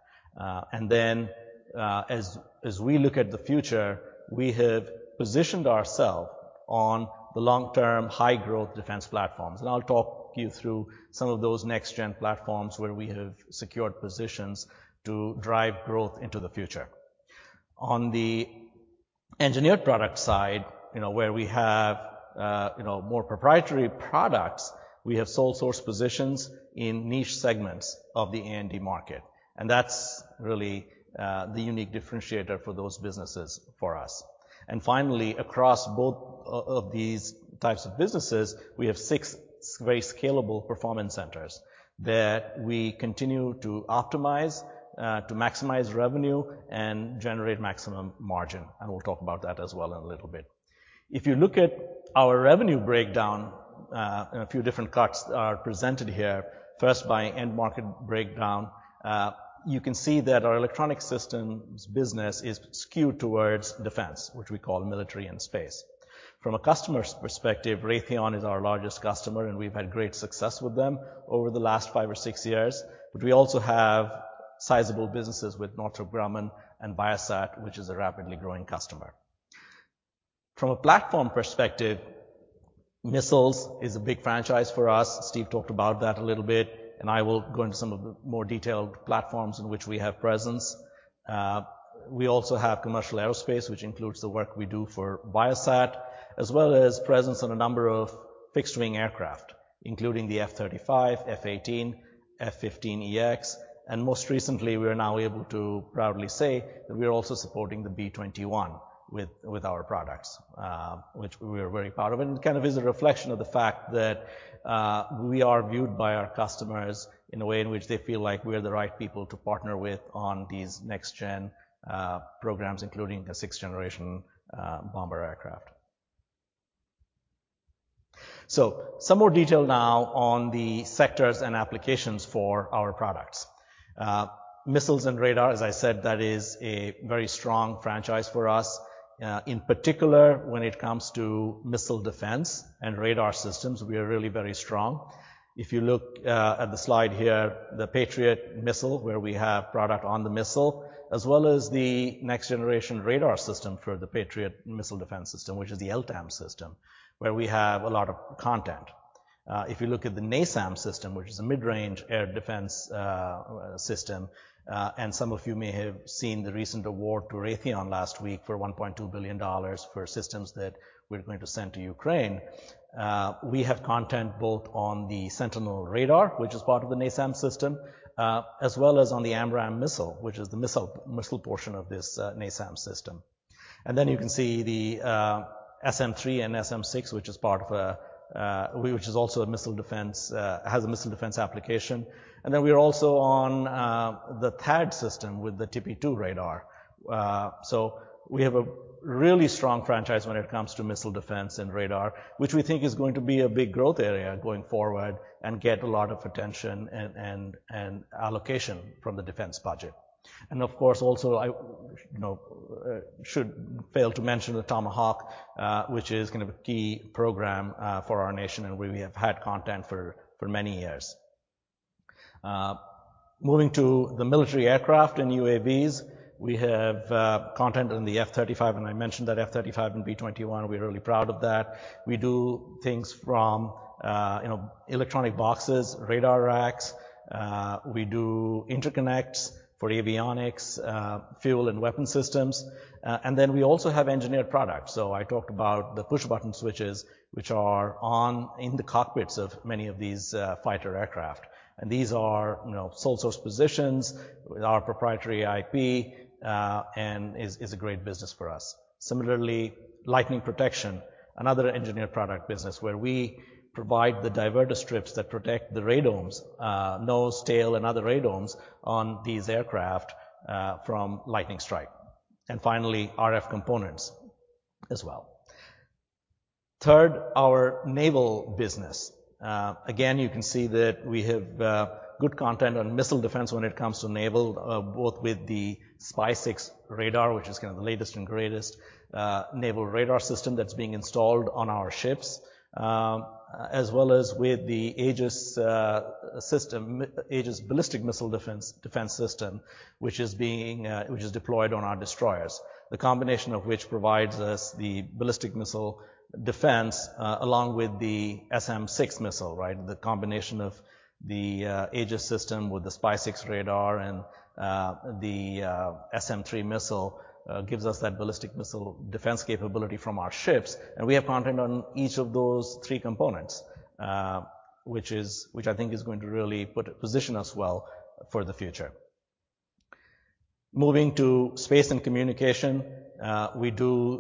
Then, as we look at the future, we have positioned ourselves on the long-term high-growth defense platforms. I'll talk you through some of those next-gen platforms where we have secured positions to drive growth into the future. On the engineered product side, you know, where we have, you know, more proprietary products, we have sole source positions in niche segments of the A&D market. That's really the unique differentiator for those businesses for us. Finally, across both of these types of businesses, we have six very scalable performance centers that we continue to optimize to maximize revenue and generate maximum margin, and we'll talk about that as well in a little bit. If you look at our revenue breakdown, and a few different cuts are presented here, first by end market breakdown. You can see that our electronic systems business is skewed towards defense, which we call military and space. From a customer's perspective, Raytheon is our largest customer, and we've had great success with them over the last five or six years. We also have sizable businesses with Northrop Grumman and Viasat, which is a rapidly growing customer. From a platform perspective, missiles is a big franchise for us. Steve talked about that a little bit, and I will go into some of the more detailed platforms in which we have presence. We also have commercial aerospace, which includes the work we do for Viasat, as well as presence on a number of fixed-wing aircraft, including the F-35, F/A-18, F-15EX. Most recently, we are now able to proudly say that we are also supporting the B-21 with our products, which we are very proud of. It kind of is a reflection of the fact that we are viewed by our customers in a way in which they feel like we're the right people to partner with on these next-gen programs, including the sixth generation bomber aircraft. Some more detail now on the sectors and applications for our products. Missiles and radar, as I said, that is a very strong franchise for us. In particular, when it comes to missile defense and radar systems, we are really very strong. If you look at the slide here, the Patriot missile, where we have product on the missile, as well as the next generation radar system for the Patriot missile defense system, which is the LTAMDS system, where we have a lot of content. If you look at the NASAMS system, which is a mid-range air defense system, some of you may have seen the recent award to Raytheon last week for $1.2 billion for systems that we're going to send to Ukraine. Uh, we have content both on the Sentinel radar, which is part of the NASAM system, uh, as well as on the AMRAAM missile, which is the missile, missile portion of this, uh, NASAM system. And then you can see the, uh, SM-3 and SM-6, which is part of a, uh, which is also a missile defense, uh-- has a missile defense application. And then we are also on, uh, the THAAD system with the TPY2 radar. Uh, so we have a really strong franchise when it comes to missile defense and radar, which we think is going to be a big growth area going forward and get a lot of attention and, and, and allocation from the defense budget. Of course, also I, you know, should fail to mention the Tomahawk, which is kind of a key program for our nation and where we have had content for many years. Moving to the military aircraft and UAVs, we have content in the F-35, and I mentioned that F-35 and B-21, we're really proud of that. We do things from, you know, electronic boxes, radar racks, we do interconnects for avionics, fuel and weapon systems, and then we also have engineered products. I talked about the push button switches, which are on in the cockpits of many of these fighter aircraft. These are, you know, sole source positions with our proprietary IP, and is a great business for us. Similarly, lightning protection, another engineered product business where we provide the diverter strips that protect the radomes, nose, tail, and other radomes on these aircraft from lightning strike. Finally, RF components as well. Third, our naval business. Again, you can see that we have good content on missile defense when it comes to naval, both with the SPY-6 radar, which is kinda the latest and greatest naval radar system that's being installed on our ships, as well as with the Aegis system, Aegis ballistic missile defense system, which is deployed on our destroyers. The combination of which provides us the ballistic missile defense along with the SM-6 missile, right? The combination of the Aegis system with the SPY-6 radar and the SM-3 missile gives us that ballistic missile defense capability from our ships, we have content on each of those three components, which I think is going to really position us well for the future. Moving to space and communication, we do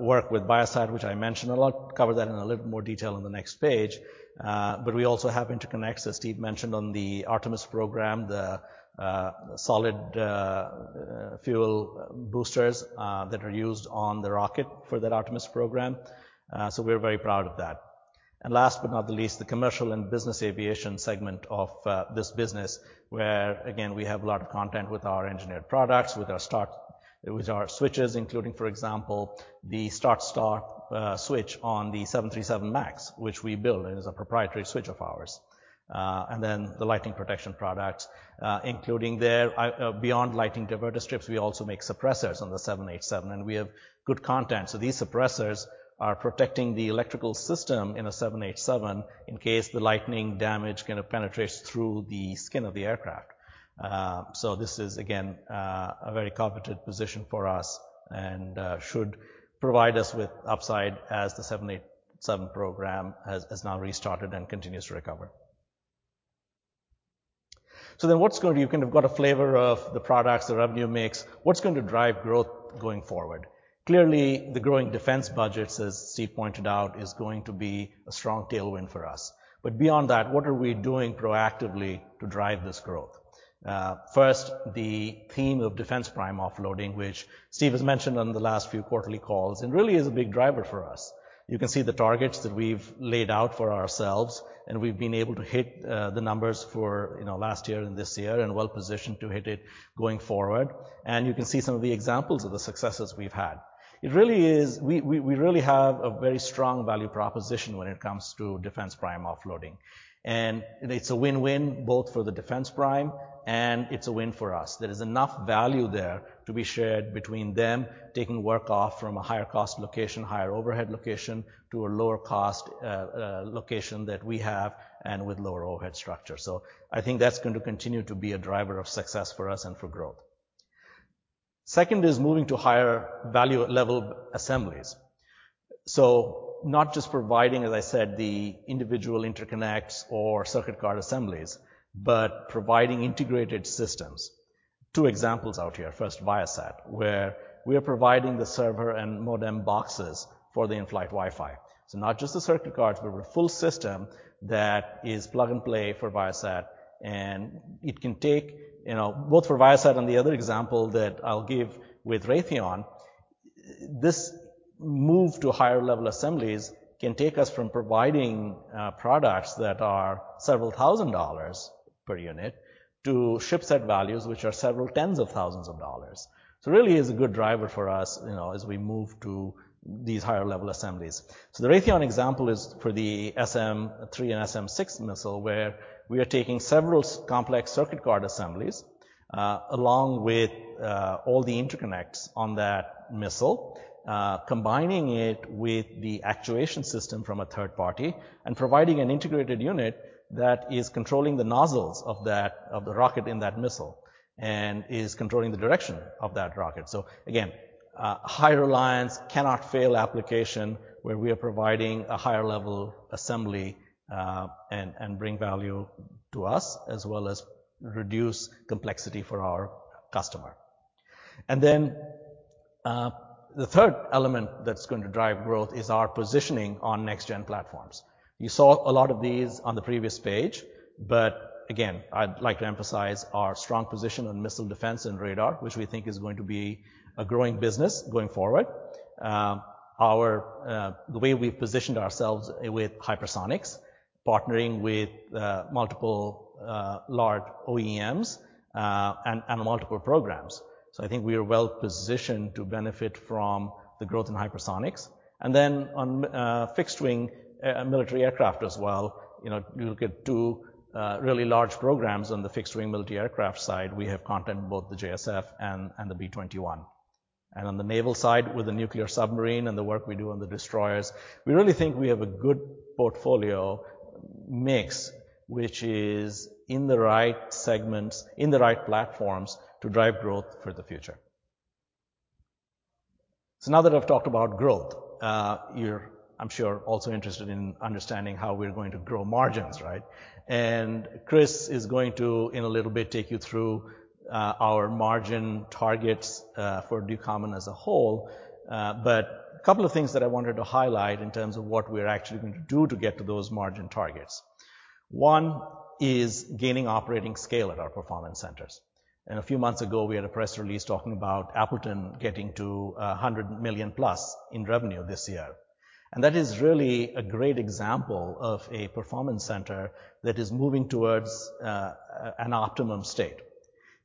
work with Viasat, which I mentioned a lot, cover that in a little more detail on the next page, but we also have interconnects, as Steve mentioned, on the Artemis program, the solid fuel boosters that are used on the rocket for that Artemis program, we're very proud of that. Last but not the least, the Commercial and business aviation segment of this business, where again, we have a lot of content with our engineered products, with our switches, including, for example, the start-start switch on the 737 MAX, which we build and is a proprietary switch of ours. Then the lightning protection products, including their beyond lightning diverter strips, we also make suppressors on the 787, and we have good content. These suppressors are protecting the electrical system in a 787 in case the lightning damage kind of penetrates through the skin of the aircraft. This is again a very coveted position for us and should provide us with upside as the 787 program has now restarted and continues to recover. You kind of got a flavor of the products, the revenue mix. What's going to drive growth going forward? Clearly, the growing defense budgets, as Steve pointed out, is going to be a strong tailwind for us. Beyond that, what are we doing proactively to drive this growth? First, the theme of defense prime offloading, which Steve has mentioned on the last few quarterly calls, and really is a big driver for us. You can see the targets that we've laid out for ourselves, and we've been able to hit the numbers for, you know, last year and this year, and well-positioned to hit it going forward. You can see some of the examples of the successes we've had. We really have a very strong value proposition when it comes to defense prime offloading. It's a win-win both for the defense prime and it's a win for us. There is enough value there to be shared between them taking work off from a higher cost location, higher overhead location, to a lower cost location that we have and with lower overhead structure. I think that's going to continue to be a driver of success for us and for growth. Second is moving to higher value level assemblies. Not just providing, as I said, the individual interconnects or circuit card assemblies, but providing integrated systems. Two examples out here. First, Viasat, where we are providing the server and modem boxes for the in-flight Wi-Fi. Not just the circuit cards, but a full system that is plug and play for Viasat, and it can take, you know, both for Viasat and the other example that I'll give with Raytheon, this move to higher level assemblies can take us from providing products that are several thousand dollars per unit to ship set values which are several tens of thousands of dollars. Really is a good driver for us, you know, as we move to these higher level assemblies. The Raytheon example is for the SM-3 and SM-6 missile, where we are taking several complex circuit card assemblies, along with all the interconnects on that missile, combining it with the actuation system from a third party and providing an integrated unit that is controlling the nozzles of the rocket in that missile, and is controlling the direction of that rocket. Again, high reliance cannot fail application where we are providing a higher level assembly, and bring value to us as well as reduce complexity for our customer. The third element that's going to drive growth is our positioning on next-gen platforms. You saw a lot of these on the previous page, again, I'd like to emphasize our strong position on missile defense and radar, which we think is going to be a growing business going forward. Our, the way we've positioned ourselves with hypersonics, partnering with multiple large OEMs and multiple programs. I think we are well-positioned to benefit from the growth in hypersonics. Then on fixed-wing and military aircraft as well, you know, you look at two really large programs on the fixed-wing military aircraft side. We have content in both the JSF and the B-21. On the naval side with the nuclear submarine and the work we do on the destroyers, we really think we have a good portfolio mix, which is in the right segments, in the right platforms to drive growth for the future. Now that I've talked about growth, you're, I'm sure, also interested in understanding how we're going to grow margins, right? Chris is going to, in a little bit, take you through, our margin targets, for Ducommun as a whole. A couple of things that I wanted to highlight in terms of what we're actually going to do to get to those margin targets. One is gaining operating scale at our performance centers. A few months ago, we had a press release talking about Appleton getting to a $100+ million in revenue this year. That is really a great example of a performance center that is moving towards an optimum state.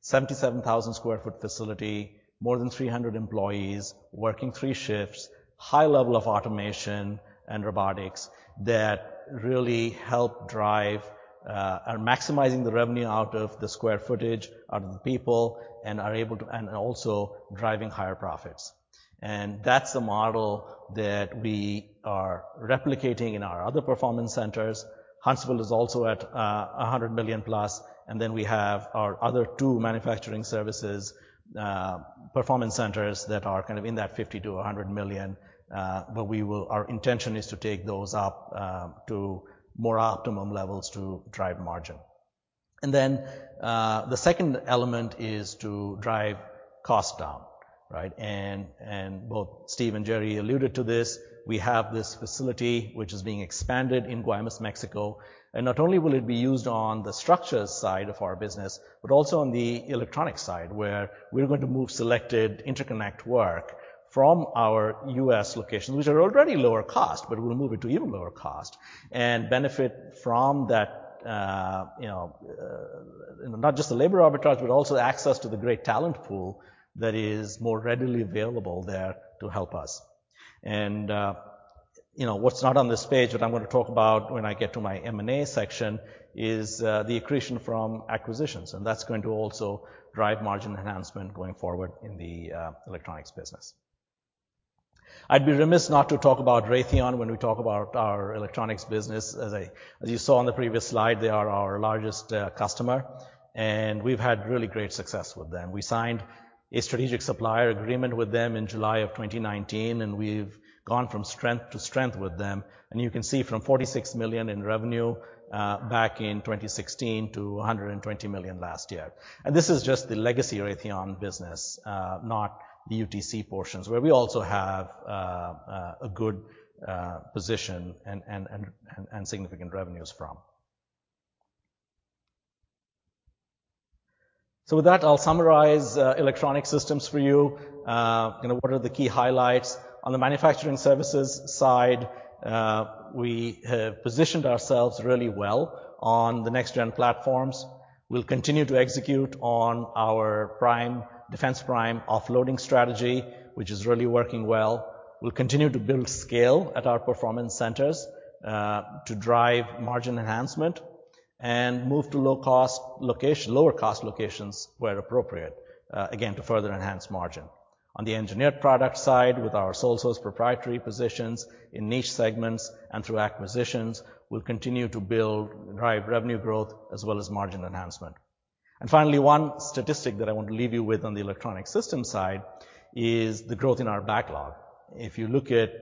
77,000 sq ft facility, more than 300 employees working three shifts, high level of automation and robotics that really help drive, are maximizing the revenue out of the square footage, out of the people, and are able to and also driving higher profits. That's the model that we are replicating in our other performance centers. Huntsville is also at a $100+ million, and then we have our other two manufacturing services performance centers that are kind of in that $50 million-$100 million. Our intention is to take those up to more optimum levels to drive margin. Then, the second element is to drive cost down, right? Both Steve and Jerry alluded to this. We have this facility which is being expanded in Guaymas, Mexico. Not only will it be used on the structures side of our business, but also on the electronics side, where we're going to move selected interconnect work from our U.S. Locations, which are already lower cost, but we'll move it to even lower cost, and benefit from that, you know, not just the labor arbitrage, but also the access to the great talent pool that is more readily available there to help us. You know, what's not on this page, what I'm gonna talk about when I get to my M&A section is the accretion from acquisitions, and that's going to also drive margin enhancement going forward in the electronics business. I'd be remiss not to talk about Raytheon when we talk about our electronics business. As you saw on the previous slide, they are our largest customer, and we've had really great success with them. We signed a strategic supplier agreement with them in July of 2019, and we've gone from strength to strength with them. You can see from $46 million in revenue back in 2016 to $120 million last year. This is just the legacy Raytheon business, not the UTC portions, where we also have a good position and significant revenues from. With that, I'll summarize electronic systems for you. You know, what are the key highlights? On the manufacturing services side, we have positioned ourselves really well on the next-gen platforms. We'll continue to execute on our prime, defense prime offloading strategy, which is really working well. We'll continue to build scale at our performance centers to drive margin enhancement and move to lower cost locations where appropriate, again, to further enhance margin. Finally, one statistic that I want to leave you with on the electronic system side is the growth in our backlog. If you look at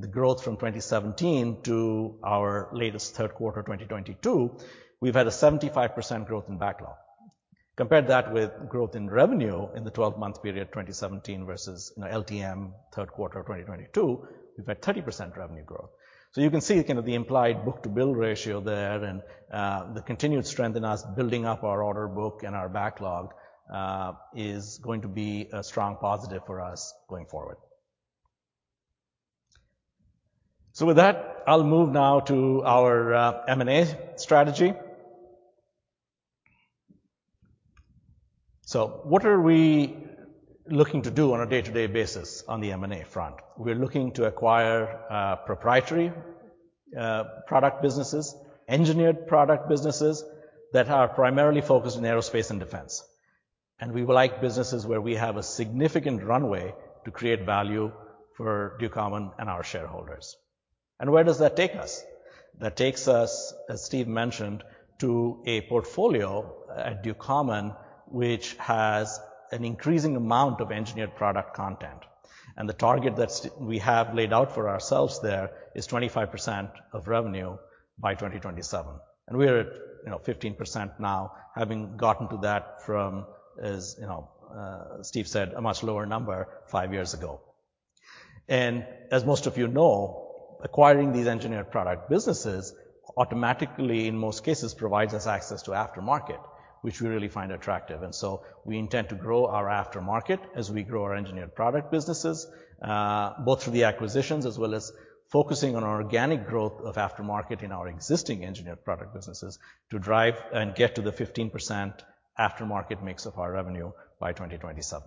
the growth from 2017 to our latest third quarter 2022, we've had a 75% growth in backlog. Compare that with growth in revenue in the 12-month period, 2017 versus LTM third quarter of 2022, we've had 30% revenue growth. You can see kind of the implied book-to-bill ratio there, the continued strength in us building up our order book and our backlog is going to be a strong positive for us going forward. With that, I'll move now to our M&A strategy. What are we looking to do on a day-to-day basis on the M&A front? We're looking to acquire proprietary product businesses, engineered product businesses that are primarily focused on aerospace and defense. We like businesses where we have a significant runway to create value for Ducommun and our shareholders. Where does that take us? That takes us, as Steve mentioned, to a portfolio at Ducommun, which has an increasing amount of engineered product content. The target that we have laid out for ourselves there is 25% of revenue by 2027. We are at, you know, 15% now, having gotten to that from, as you know, Steve said, a much lower number five years ago. As most of you know, acquiring these engineered product businesses automatically, in most cases, provides us access to aftermarket, which we really find attractive. We intend to grow our aftermarket as we grow our engineered product businesses, both through the acquisitions as well as focusing on our organic growth of aftermarket in our existing engineered product businesses to drive and get to the 15% aftermarket mix of our revenue by 2027.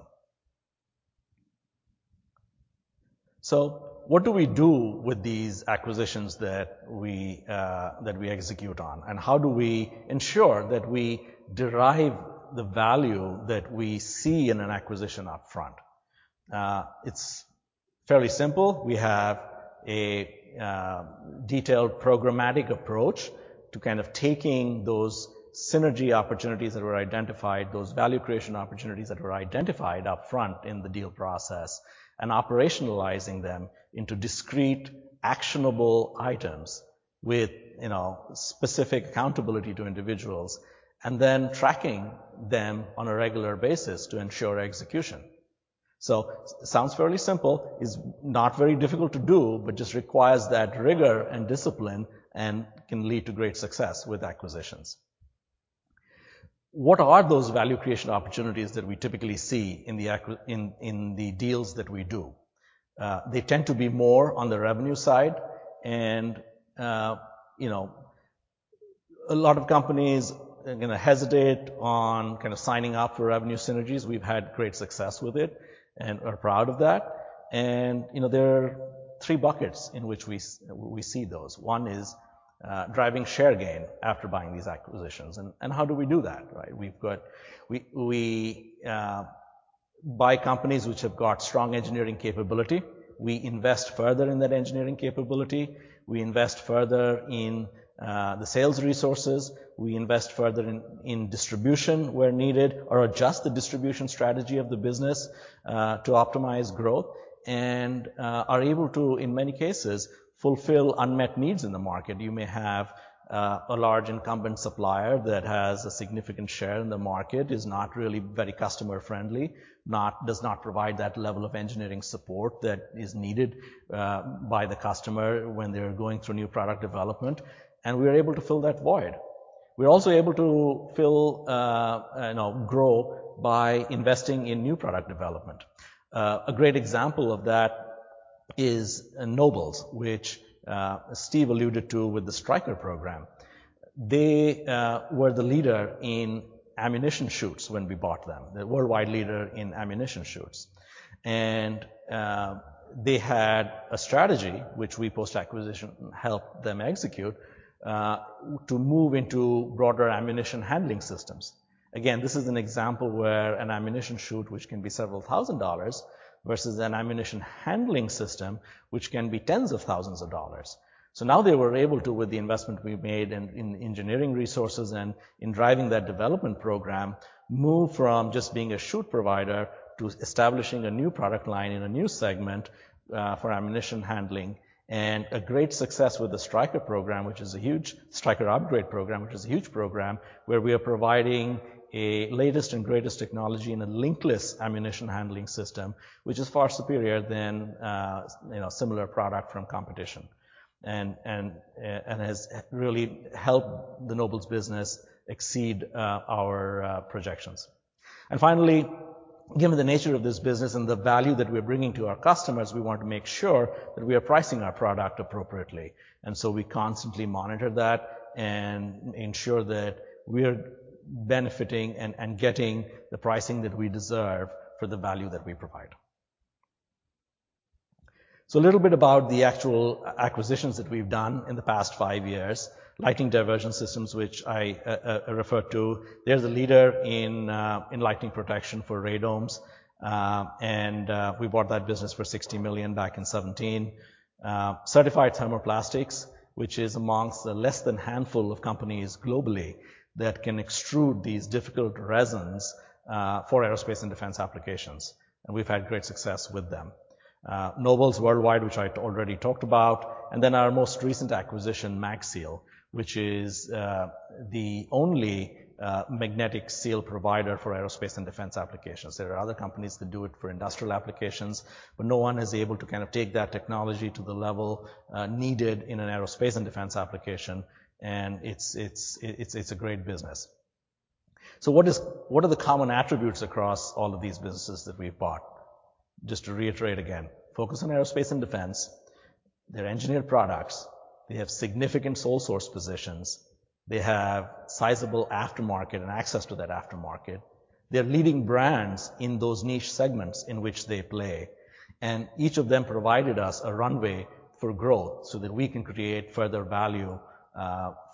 What do we do with these acquisitions that we execute on? How do we ensure that we derive the value that we see in an acquisition up front? It's fairly simple. We have a detailed programmatic approach to kind of taking those synergy opportunities that were identified, those value creation opportunities that were identified up front in the deal process, and operationalizing them into discrete, actionable items with, you know, specific accountability to individuals, and then tracking them on a regular basis to ensure execution. Sounds fairly simple. It's not very difficult to do, but just requires that rigor and discipline and can lead to great success with acquisitions. What are those value creation opportunities that we typically see in the deals that we do? They tend to be more on the revenue side and, you know, a lot of companies are gonna hesitate on kind of signing up for revenue synergies. We've had great success with it and are proud of that. You know, there are three buckets in which we see those. One is driving share gain after buying these acquisitions. How do we do that, right? We buy companies which have got strong engineering capability. We invest further in that engineering capability. We invest further in the sales resources. We invest further in distribution where needed or adjust the distribution strategy of the business to optimize growth and are able to, in many cases, fulfill unmet needs in the market. You may have a large incumbent supplier that has a significant share in the market, is not really very customer-friendly, does not provide that level of engineering support that is needed by the customer when they're going through new product development, and we're able to fill that void. We're also able to fill, you know, grow by investing in new product development. A great example of that is Nobles, which Steve alluded to with the Stryker program. They were the leader in ammunition chutes when we bought them, the worldwide leader in ammunition chutes. They had a strategy which we post-acquisition helped them execute to move into broader ammunition handling systems. Again, this is an example where an ammunition chute, which can be several thousand dollars, versus an ammunition handling system, which can be tens of thousands of dollars. Now they were able to, with the investment we made in engineering resources and in driving that development program, move from just being a chute provider to establishing a new product line in a new segment for ammunition handling. A great success with the Stryker program, which is a huge Stryker upgrade program, which is a huge program where we are providing a latest and greatest technology in a Linkless Ammunition Handling System, which is far superior than, you know, similar product from competition and has really helped the Nobles business exceed our projections. Finally, given the nature of this business and the value that we're bringing to our customers, we want to make sure that we are pricing our product appropriately. So we constantly monitor that and ensure that we're benefiting and getting the pricing that we deserve for the value that we provide. A little bit about the actual acquisitions that we've done in the past five years. Lightning Diversion Systems, which I referred to, they're the leader in lightning protection for radomes. We bought that business for $60 million back in 2017. Certified Thermoplastics, which is amongst the less than handful of companies globally that can extrude these difficult resins for aerospace and defense applications. We've had great success with them. Nobles Worldwide, which I already talked about. Our most recent acquisition, MagSeal, which is the only magnetic seal provider for aerospace and defense applications. There are other companies that do it for industrial applications, no one is able to kind of take that technology to the level needed in an aerospace and defense application, and it's a great business. What are the common attributes across all of these businesses that we've bought? Just to reiterate again, focus on aerospace and defense. They're engineered products. They have significant sole source positions. They have sizable aftermarket and access to that aftermarket. They're leading brands in those niche segments in which they play. Each of them provided us a runway for growth so that we can create further value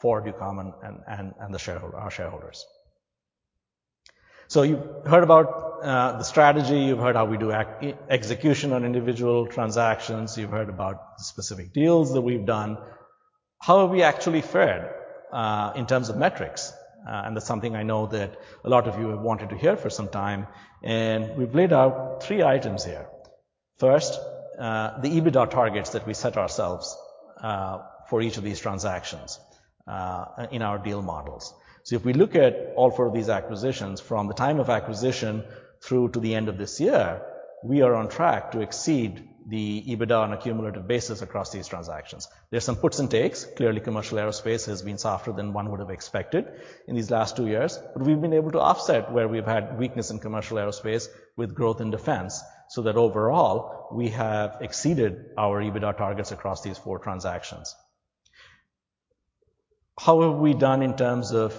for Ducommun and the shareholder, our shareholders. You've heard about the strategy. You've heard how we do execution on individual transactions. You've heard about the specific deals that we've done. How have we actually fared in terms of metrics? That's something I know that a lot of you have wanted to hear for some time, and we've laid out three items here. First, the EBITDA targets that we set ourselves for each of these transactions in our deal models. If we look at all four of these acquisitions from the time of acquisition through to the end of this year, we are on track to exceed the EBITDA on a cumulative basis across these transactions. There are some puts and takes. Clearly, commercial aerospace has been softer than one would have expected in these last two years. We've been able to offset where we've had weakness in commercial aerospace with growth in defense, so that overall, we have exceeded our EBITDA targets across these four transactions. How have we done in terms of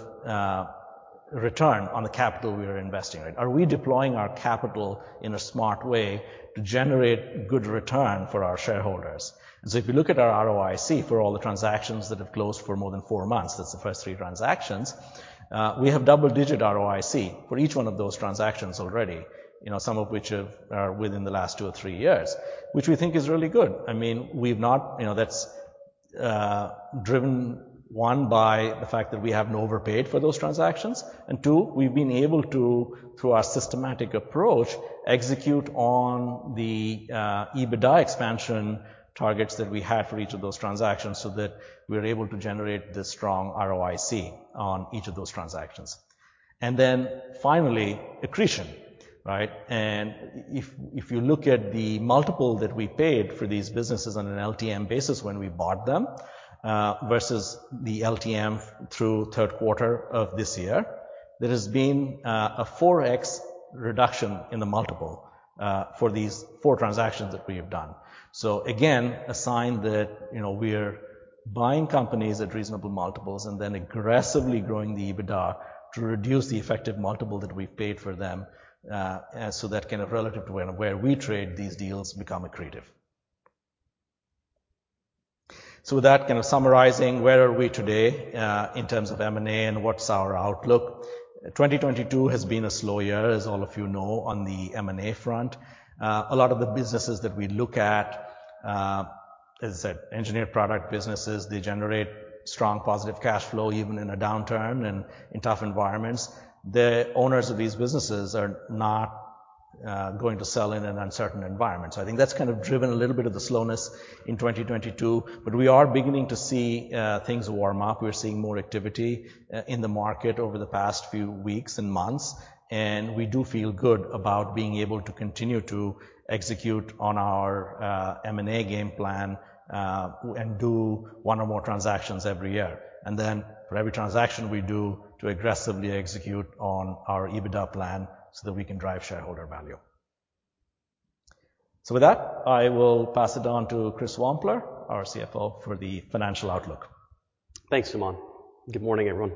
return on the capital we are investing? Are we deploying our capital in a smart way to generate good return for our shareholders? If you look at our ROIC for all the transactions that have closed for more than four months, that's the first three transactions, we have double-digit ROIC for each one of those transactions already. You know, some of which are within the last two or three years, which we think is really good. I mean, we've not. You know that's driven, one, by the fact that we haven't overpaid for those transactions, and two, we've been able to, through our systematic approach, execute on the EBITDA expansion targets that we had for each of those transactions, so that we're able to generate this strong ROIC on each of those transactions. Finally, accretion, right? If you look at the multiple that we paid for these businesses on an LTM basis when we bought them, versus the LTM through third quarter of this year, there has been a 4x reduction in the multiple for these four transactions that we have done. Again, a sign that, you know, we're buying companies at reasonable multiples and then aggressively growing the EBITDA to reduce the effective multiple that we've paid for them, so that kind of relative to where we trade these deals become accretive. With that, kind of summarizing, where are we today in terms of M&A and what's our outlook? 2022 has been a slow year, as all of you know, on the M&A front. A lot of the businesses that we look at, as engineered product businesses, they generate strong positive cash flow even in a downturn and in tough environments. The owners of these businesses are not going to sell in an uncertain environment. I think that's kind of driven a little bit of the slowness in 2022, but we are beginning to see things warm up. We're seeing more activity in the market over the past few weeks and months, and we do feel good about being able to continue to execute on our M&A game plan and do one or more transactions every year. For every transaction we do to aggressively execute on our EBITDA plan so that we can drive shareholder value. With that, I will pass it on to Chris Wampler, our CFO, for the financial outlook. Thanks, Suman. Good morning, everyone.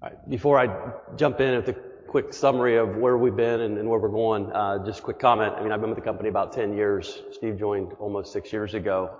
All right. Before I jump in with a quick summary of where we've been and where we're going, just a quick comment. I mean, I've been with the company about 10 years. Steve joined almost six years ago,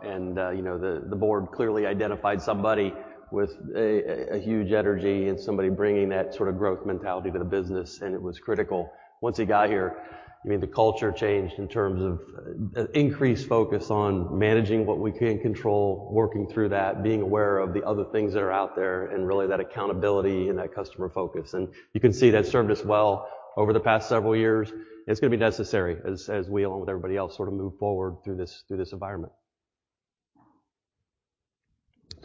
you know, the board clearly identified somebody with a huge energy and somebody bringing that sort of growth mentality to the business, and it was critical. Once he got here, I mean, the culture changed in terms of increased focus on managing what we can control, working through that, being aware of the other things that are out there, and really that accountability and that customer focus. You can see that served us well over the past several years. It's gonna be necessary as we, along with everybody else, sort of move forward through this, through this environment.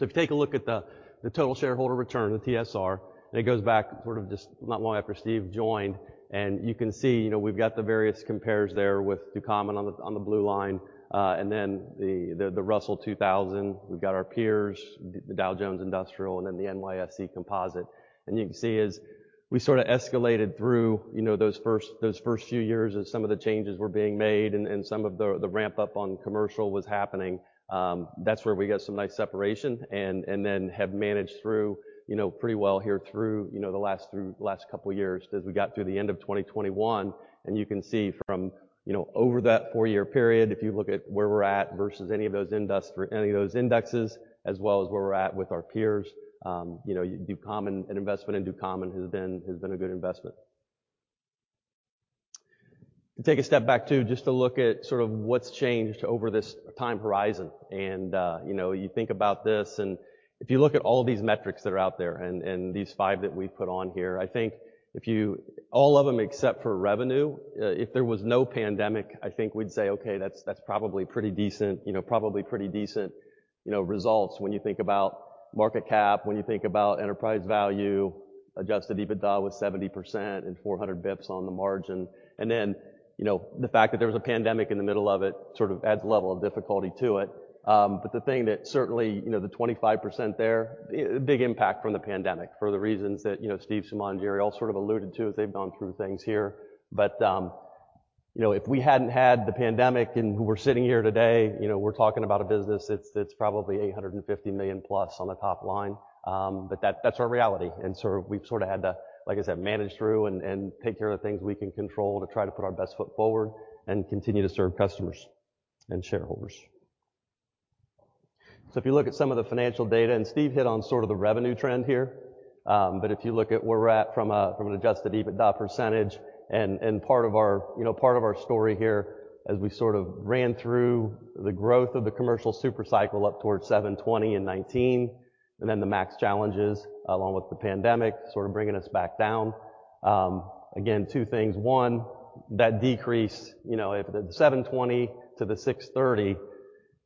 If you take a look at the total shareholder return, the TSR, it goes back just not long after Steve joined. You can see, you know, we've got the various compares there with Ducommun on the blue line, and then the Russell 2000. We've got our peers, the Dow Jones Industrial and then the NYSE Composite. You can see as we escalated through, you know, those first few years as some of the changes were being made and some of the ramp up on commercial was happening, that's where we got some nice separation, and then have managed through, you know, pretty well here through, you know, the last couple years as we got through the end of 2021. You can see from, you know, over that four-year period, if you look at where we're at versus any of those indexes, as well as where we're at with our peers, you know, Ducommun, an investment in Ducommun has been a good investment. Take a step back to, just to look at sort of what's changed over this time horizon. You know, you think about this, and if you look at all these metrics that are out there and these 5 that we've put on here, I think if you... All of them except for revenue, if there was no pandemic, I think we'd say, "Okay, that's probably pretty decent, you know, results when you think about market cap, when you think about enterprise value, adjusted EBITDA with 70% and 400 basis points on the margin." The fact that there was a pandemic in the middle of it sort of adds a level of difficulty to it. The thing that certainly, you know, the 25% there, a big impact from the pandemic for the reasons that, you know, Steve, Suman, and Jerry all sort of alluded to as they've gone through things here. You know, if we hadn't had the pandemic and we're sitting here today, you know, we're talking about a business that's probably $850+ million on the top line. That's our reality. We've sort of had to, like I said, manage through and take care of the things we can control to try to put our best foot forward and continue to serve customers and shareholders. If you look at some of the financial data, and Steve hit on sort of the revenue trend here, but if you look at where we're at from an adjusted EBITDA percentage and part of our, you know, part of our story here as we sort of ran through the growth of the commercial super cycle up towards 720 in 2019, and then the MAX challenges along with the pandemic sort of bringing us back down. Again, two things. One, that decrease, you know, if the 720 to the 630,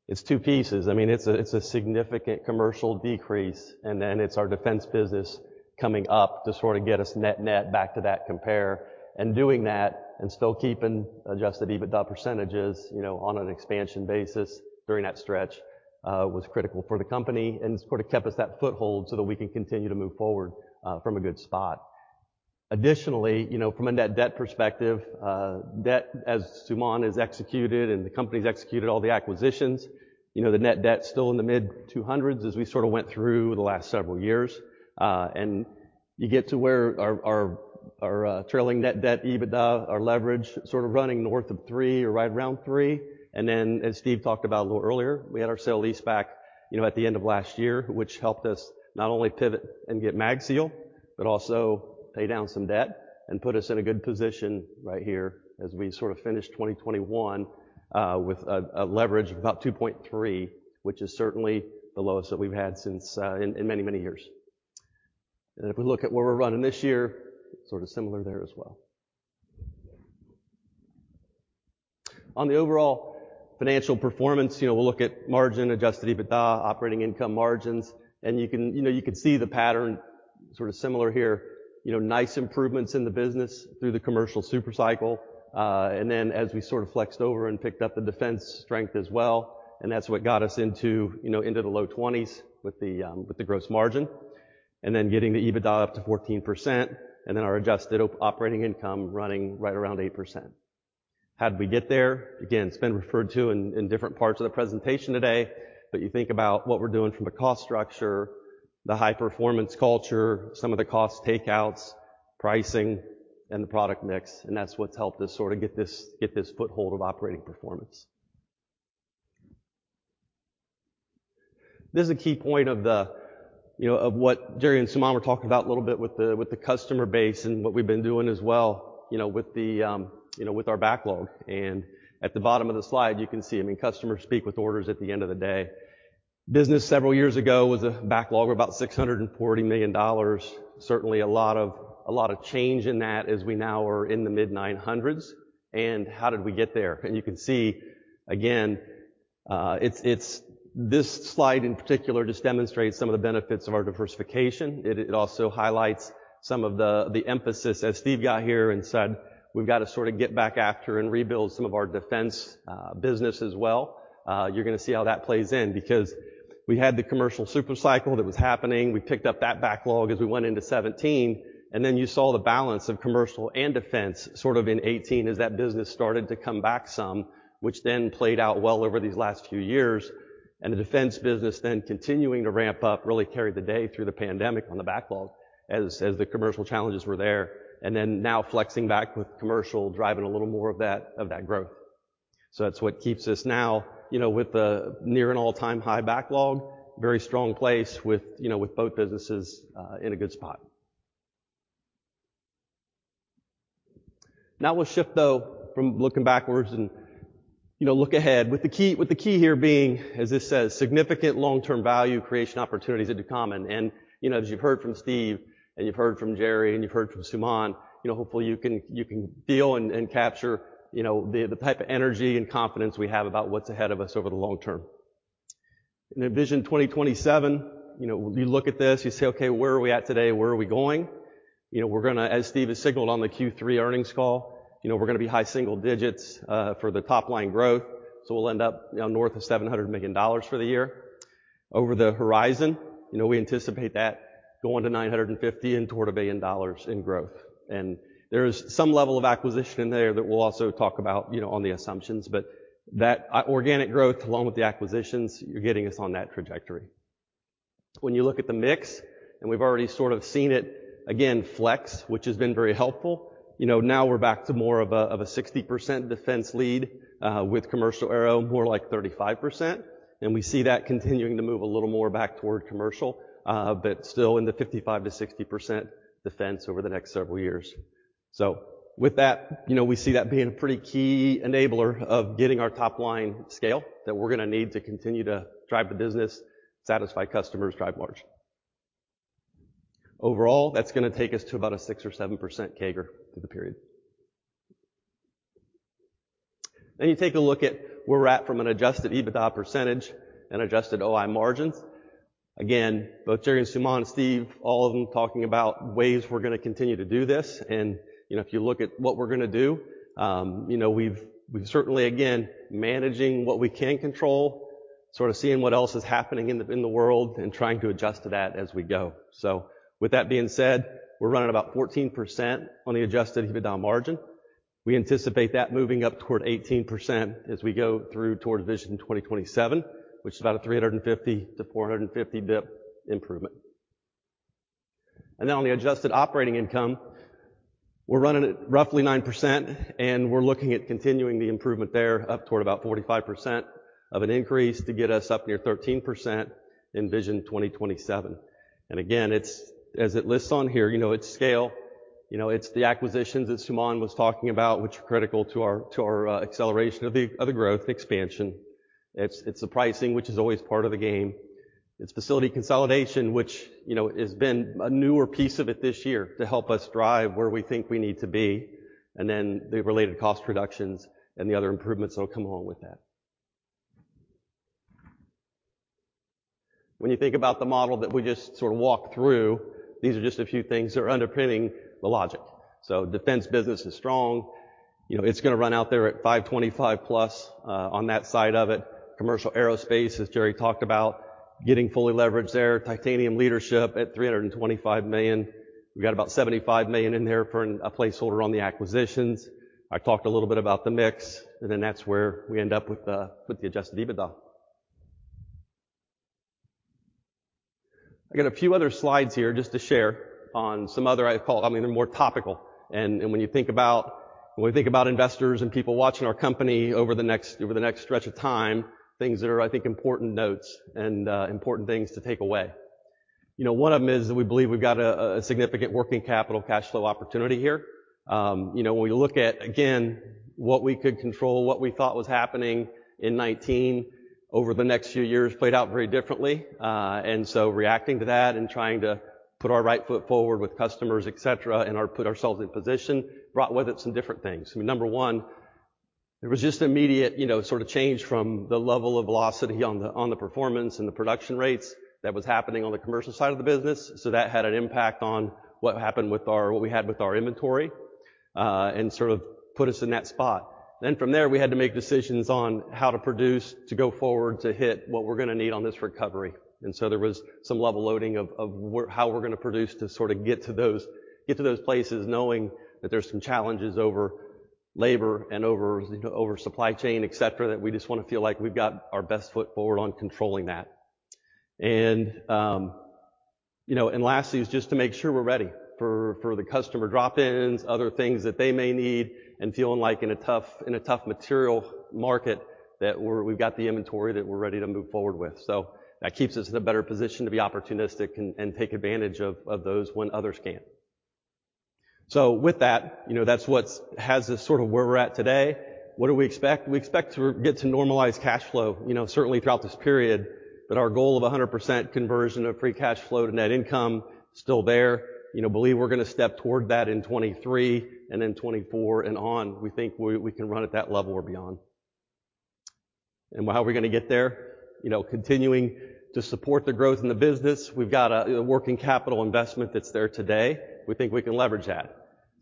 it's two pieces. I mean, it's a significant commercial decrease, and then it's our defense business coming up to sort of get us net back to that compare. Doing that and still keeping adjusted EBITDA percentages, you know, on an expansion basis during that stretch, was critical for the company and sort of kept us that foothold so that we can continue to move forward from a good spot. Additionally, you know, from a net debt perspective, debt as Suman has executed and the company's executed all the acquisitions, you know, the net debt still in the mid $200s as we sort of went through the last several years. You get to where our trailing net debt-EBITDA, our leverage sort of running north of 3% or right around 3%. As Steve talked about a little earlier, we had our sale lease back, you know, at the end of last year, which helped us not only pivot and get MagSeal, but also pay down some debt and put us in a good position right here as we sort of finish 2021 with a leverage of about 2.3%, which is certainly the lowest that we've had in many years. If we look at where we're running this year, sort of similar there as well. On the overall financial performance, you know, we'll look at margin, adjusted EBITDA, operating income margins, and you can see the pattern sort of similar here. You know, nice improvements in the business through the commercial super cycle. As we sort of flexed over and picked up the defense strength as well, that's what got us into, you know, into the low 20%s with the gross margin. Getting the EBITDA up to 14%, and then our adjusted operating income running right around 8%. How'd we get there? Again, it's been referred to in different parts of the presentation today. You think about what we're doing from a cost structure, the high-performance culture, some of the cost takeouts, pricing, and the product mix, that's what's helped us sort of get this foothold of operating performance. This is a key point of the, you know, of what Jerry and Suman were talking about a little bit with the, with the customer base and what we've been doing as well, you know, with the, you know, with our backlog. At the bottom of the slide, you can see, I mean, customers speak with orders at the end of the day. Business several years ago was a backlog of about $640 million. Certainly a lot of, a lot of change in that as we now are in the mid-$900s. How did we get there? You can see, again, it's this slide in particular just demonstrates some of the benefits of our diversification. It also highlights some of the emphasis as Steve got here and said, we've got to sort of get back after and rebuild some of our defense business as well. You're gonna see how that plays in because we had the commercial super cycle that was happening. We picked up that backlog as we went into 2017, then you saw the balance of commercial and defense sort of in 2018 as that business started to come back some, which then played out well over these last few years. The defense business then continuing to ramp up really carried the day through the pandemic on the backlog as the commercial challenges were there. Now flexing back with commercial, driving a little more of that, of that growth. That's what keeps us now, you know, with the near and all-time high backlog, very strong place with, you know, with both businesses in a good spot. We'll shift though from looking backwards and, you know, look ahead with the key here being, as this says, significant long-term value creation opportunities at Ducommun. You know, as you've heard from Steve and you've heard from Jerry and you've heard from Suman, you know, hopefully you can feel and capture, you know, the type of energy and confidence we have about what's ahead of us over the long term. In VISION 2027, you know, you look at this, you say, okay, where are we at today? Where are we going? You know, we're gonna, as Steve has signaled on the Q3 earnings call, you know, we're gonna be high single digits, for the top-line growth, so we'll end up, you know, north of $700 million for the year. Over the horizon, you know, we anticipate that going to $950 million and toward $1 billion in growth. There is some level of acquisition in there that we'll also talk about, you know, on the assumptions. That organic growth along with the acquisitions, you're getting us on that trajectory. When you look at the mix, and we've already sort of seen it again flex, which has been very helpful. You know, now we're back to more of a 60% defense lead, with commercial aero more like 35%. We see that continuing to move a little more back toward commercial, but still in the 55%-60% defense over the next several years. With that, you know, we see that being a pretty key enabler of getting our top line scale that we're gonna need to continue to drive the business, satisfy customers, drive margin. Overall, that's gonna take us to about a 6% or 7% CAGR through the period. You take a look at where we're at from an adjusted EBITDA percentage and adjusted OI margins. Both Jerry and Suman and Steve, all of them talking about ways we're gonna continue to do this. You know, if you look at what we're gonna do, you know, we've certainly, again, managing what we can control, sort of seeing what else is happening in the, in the world and trying to adjust to that as we go. With that being said, we're running about 14% on the adjusted EBITDA margin. We anticipate that moving up toward 18% as we go through toward VISION 2027, which is about a 350 basis points-450 basis points improvement. On the adjusted operating income, we're running at roughly 9%, and we're looking at continuing the improvement there up toward about 45% of an increase to get us up near 13% in VISION 2027. Again, it's as it lists on here, you know, it's scale. You know, it's the acquisitions that Suman was talking about, which are critical to our acceleration of the growth expansion. It's the pricing, which is always part of the game. It's facility consolidation, which, you know, has been a newer piece of it this year to help us drive where we think we need to be, and then the related cost reductions and the other improvements that'll come along with that. When you think about the model that we just sort of walked through, these are just a few things that are underpinning the logic. Defense business is strong. You know, it's gonna run out there at $525+ on that side of it. Commercial aerospace, as Jerry talked about, getting fully leveraged there. Titanium leadership at $325 million. We've got about $75 million in there for a placeholder on the acquisitions. I talked a little bit about the mix, and then that's where we end up with the adjusted EBITDA. I got a few other slides here just to share on some other. I mean, they're more topical. When you think about, when we think about investors and people watching our company over the next stretch of time, things that are, I think, important notes and important things to take away. You know, one of them is that we believe we've got a significant working capital cash flow opportunity here. You know, when we look at, again, what we could control, what we thought was happening in 2019 over the next few years played out very differently. Reacting to that and trying to put our right foot forward with customers, et cetera, and put ourselves in position, brought with it some different things. I mean, number one, there was just immediate, you know, sort of change from the level of velocity on the performance and the production rates that was happening on the commercial side of the business. That had an impact on what happened with our, what we had with our inventory, and sort of put us in that spot. From there, we had to make decisions on how to produce to go forward to hit what we're gonna need on this recovery. There was some level loading of where, how we're gonna produce to sort of get to those places knowing that there's some challenges over labor and over, you know, over supply chain, et cetera, that we just wanna feel like we've got our best foot forward on controlling that. You know, and lastly is just to make sure we're ready for the customer drop-ins, other things that they may need and feeling like in a tough material market that we've got the inventory that we're ready to move forward with. That keeps us in a better position to be opportunistic and take advantage of those when others can't. With that, you know, that's what's has us sort of where we're at today. What do we expect? We expect to get to normalized cash flow, you know, certainly throughout this period. Our goal of 100% conversion of free cash flow to net income still there. You know, believe we're gonna step toward that in 2023 and in 2024 and on. We think we can run at that level or beyond. How are we gonna get there? You know, continuing to support the growth in the business. We've got a, you know, working capital investment that's there today. We think we can leverage that.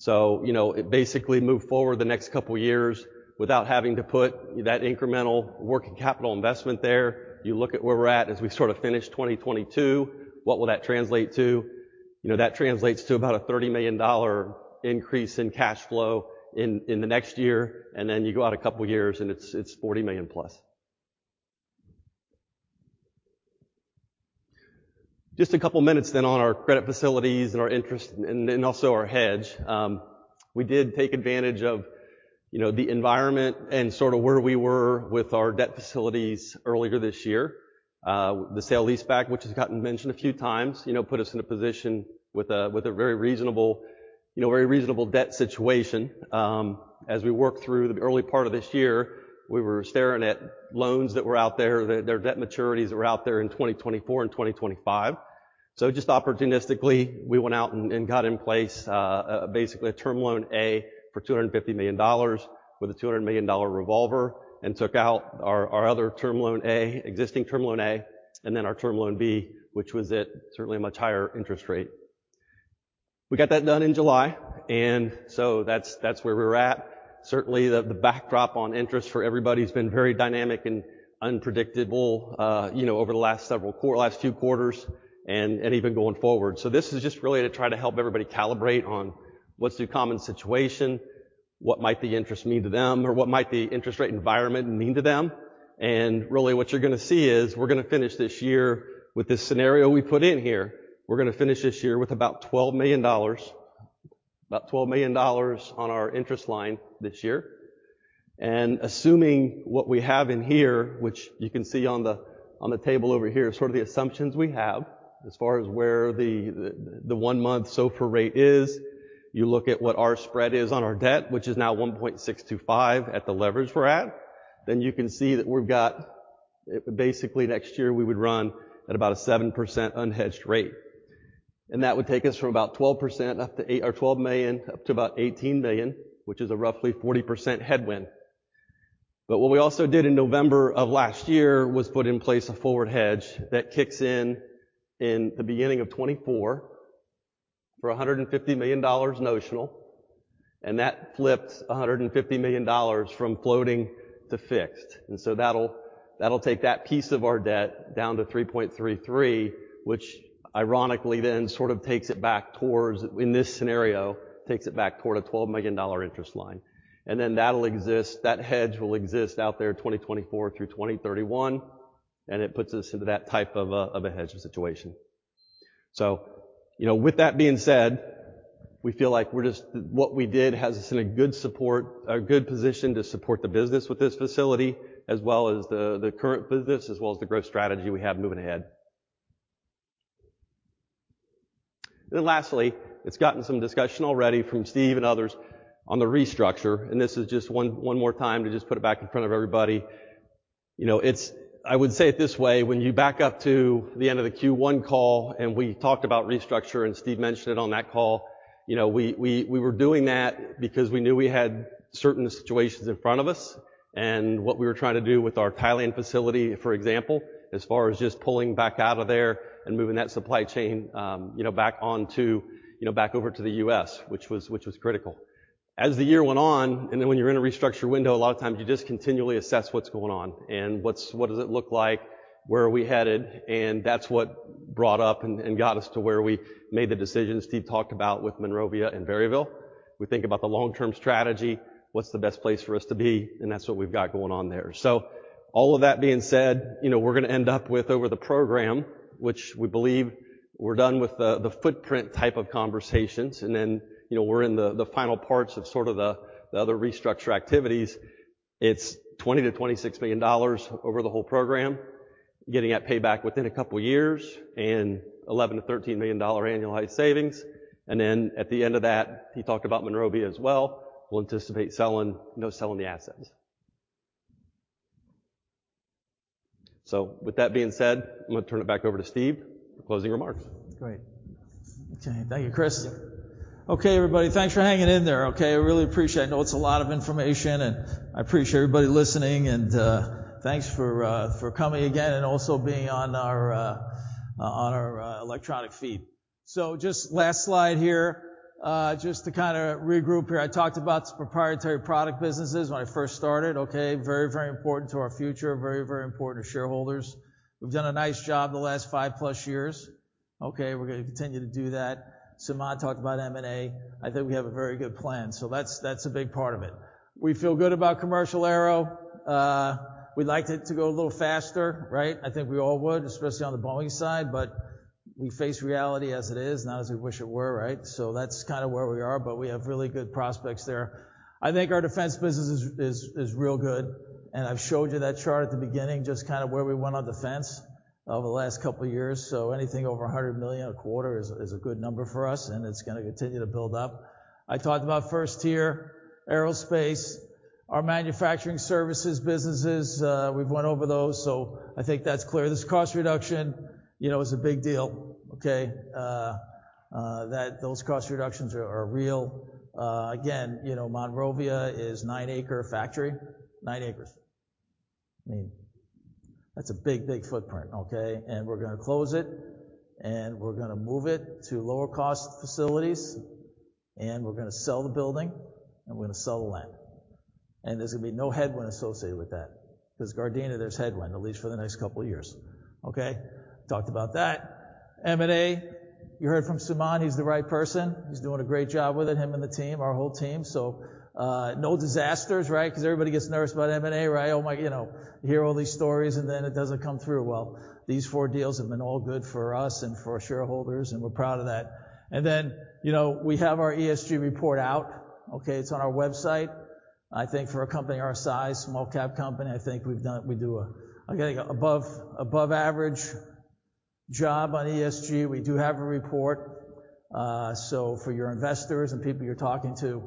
You know, basically move forward the next couple years without having to put that incremental working capital investment there. You look at where we're at as we sort of finish 2022, what will that translate to? You know, that translates to about a $30 million increase in cash flow in the next year. Then you go out a couple years, and it's $40+ million. Just a couple minutes then on our credit facilities and our interest and also our hedge. We did take advantage of, you know, the environment and sort of where we were with our debt facilities earlier this year. The sale lease back, which has gotten mentioned a few times, you know, put us in a position with a very reasonable, you know, very reasonable debt situation. As we worked through the early part of this year, we were staring at loans that were out there. Their debt maturities were out there in 2024 and 2025. Just opportunistically, we went out and got in place, basically a Term Loan A for $250 million with a $200 million revolver and took out our other Term Loan A, existing Term Loan A, and then our Term Loan B, which was at certainly a much higher interest rate. We got that done in July. That's where we're at. Certainly, the backdrop on interest for everybody's been very dynamic and unpredictable, you know, over the last two quarters and even going forward. This is just really to try to help everybody calibrate on what's the common situation, what might the interest mean to them, or what might the interest rate environment mean to them. Really what you're gonna see is we're gonna finish this year with this scenario we put in here. We're gonna finish this year with about $12 million. About $12 million on our interest line this year. Assuming what we have in here, which you can see on the, on the table over here, sort of the assumptions we have as far as where the one-month SOFR rate is. You look at what our spread is on our debt, which is now 1.625% at the leverage we're at. You can see that we've got, basically next year we would run at about a 7% unhedged rate. That would take us from about 12% up to $12 million up to about $18 million, which is a roughly 40% headwind. What we also did in November of last year was put in place a forward hedge that kicks in in the beginning of 2024 for $150 million notional, and that flips $150 million from floating to fixed. That'll take that piece of our debt down to 3.33%, which ironically then sort of takes it back towards, in this scenario, takes it back toward a $12 million interest line. That'll exist, that hedge will exist out there, 2024 through 2031. It puts us into that type of a hedge situation. You know, with that being said, we feel like we're what we did has us in a good position to support the business with this facility as well as the current business, as well as the growth strategy we have moving ahead. Lastly, it's gotten some discussion already from Steve and others on the restructure. This is just one more time to just put it back in front of everybody. You know, I would say it this way. When you back up to the end of the Q1 call, we talked about restructure. Steve mentioned it on that call. You know, we were doing that because we knew we had certain situations in front of us, and what we were trying to do with our Thailand facility, for example, as far as just pulling back out of there and moving that supply chain, you know, back onto, you know, back over to the U.S., which was critical. As the year went on, and then when you're in a restructure window, a lot of times you just continually assess what's going on and what does it look like? Where are we headed? That's what brought up and got us to where we made the decisions Steve talked about with Monrovia and Maryville. We think about the long-term strategy, what's the best place for us to be, and that's what we've got going on there. All of that being said, you know, we're gonna end up with over the program, which we believe we're done with the footprint type of conversations, and then, you know, we're in the final parts of sort of the other restructure activities. It's $20 million-$26 million over the whole program, getting that payback within a couple years and $11 million-$13 million annualized savings. At the end of that, he talked about Monrovia as well. We'll anticipate selling, you know, selling the assets. With that being said, I'm gonna turn it back over to Steve for closing remarks. Great. Okay. Thank you, Chris. Yeah. Okay, everybody, thanks for hanging in there, okay? I really appreciate it. I know it's a lot of information, and I appreciate everybody listening, and thanks for coming again and also being on our electronic feed. Just last slide here. Just to kinda regroup here. I talked about the proprietary product businesses when I first started, okay? Very, very important to our future. Very, very important to shareholders. We've done a nice job the last five-plus years, okay? We're gonna continue to do that. Suman talked about M&A. I think we have a very good plan. That's a big part of it. We feel good about commercial aero. We'd like it to go a little faster, right? I think we all would, especially on the Boeing side, but we face reality as it is, not as we wish it were, right? That's kinda where we are, but we have really good prospects there. I think our Defense business is real good, and I've showed you that chart at the beginning, just kind of where we went on defense over the last couple years. Anything over $100 million a quarter is a good number for us, and it's gonna continue to build up. I talked about first tier aerospace. Our manufacturing services businesses, we've went over those, so I think that's clear. This cost reduction, you know, is a big deal, okay? Those cost reductions are real. Again, you know, Monrovia is 9-acre factory. 9 acres. I mean, that's a big, big footprint, okay? We're gonna close it, and we're gonna move it to lower-cost facilities, and we're gonna sell the building, and we're gonna sell the land. There's gonna be no headwind associated with that, 'cause Gardena, there's headwind, at least for the next couple years, okay? Talked about that. M&A, you heard from Suman. He's the right person. He's doing a great job with it, him and the team, our whole team. No disasters, right? 'Cause everybody gets nervous about M&A, right? You know. You hear all these stories, and then it doesn't come through. Well, these four deals have been all good for us and for our shareholders, and we're proud of that. You know, we have our ESG report out, okay? It's on our website. I think for a company our size, small cap company, I think we do a, I gotta go above average job on ESG. We do have a report. For your investors and people you're talking to,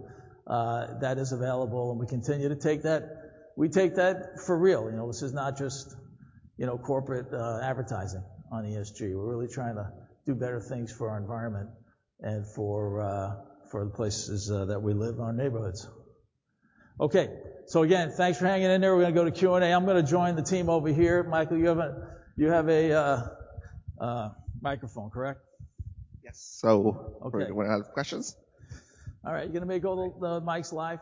that is available, and we continue to take that. We take that for real. You know, this is not just, you know, corporate advertising on ESG. We're really trying to do better things for our environment and for the places that we live, our neighborhoods. Okay. Again, thanks for hanging in there. We're gonna go to Q&A. I'm gonna join the team over here. Michael, you have a microphone, correct? Yes. Okay. Anyone have questions? All right. You gonna make all the mics live?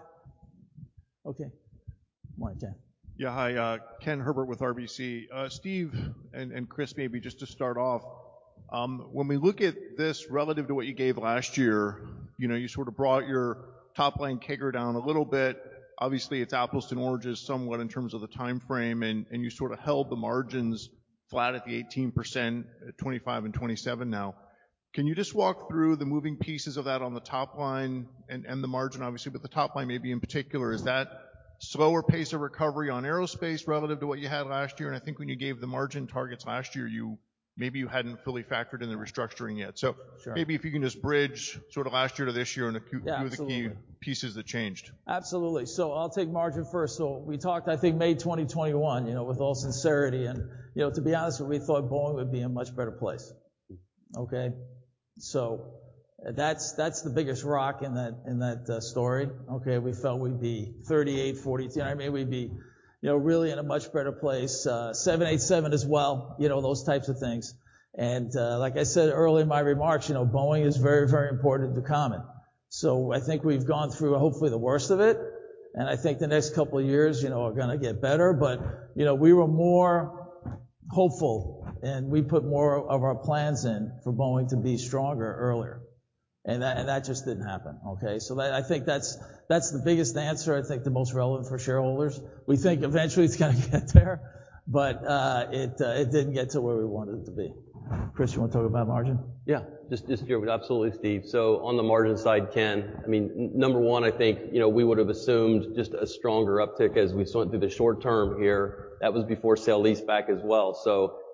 Okay. Come on, Ken. Yeah. Hi, Ken Herbert with RBC. Steve and Chris, maybe just to start off, when we look at this relative to what you gave last year, you know, you sort of brought your top-line CAGR down a little bit. Obviously, it's apples and oranges somewhat in terms of the timeframe, and you sort of held the margins flat at the 18%, 2025 and 2027 now. Can you just walk through the moving pieces of that on the top line and the margin obviously, but the top line maybe in particular? Is that slower pace of recovery on aerospace relative to what you had last year? I think when you gave the margin targets last year, maybe you hadn't fully factored in the restructuring yet. Sure. Maybe if you can just bridge sort of last year to this year and a few- Yeah, absolutely. The key pieces that changed. Absolutely. I'll take margin first. We talked, I think, May 2021, you know, with all sincerity, and, you know, to be honest, we thought Boeing would be in a much better place, okay? That's, that's the biggest rock in that story, okay? We felt we'd be 38%, 40%... I mean, we'd be, you know, really in a much better place. 787 as well, you know, those types of things. Like I said earlier in my remarks, you know, Boeing is very, very important to Ducommun. I think we've gone through hopefully the worst of it, and I think the next couple years, you know, are gonna get better. You know, we were more hopeful, and we put more of our plans in for Boeing to be stronger earlier. That, and that just didn't happen, okay? I think that's the biggest answer, I think the most relevant for shareholders. We think eventually it's gonna get there, it didn't get to where we want it to be. Chris, you wanna talk about margin? Yeah. Just here with absolutely, Steve. On the margin side, Ken, I mean, number one, I think, you know, we would have assumed just a stronger uptick as we went through the short term here. That was before sale leaseback as well.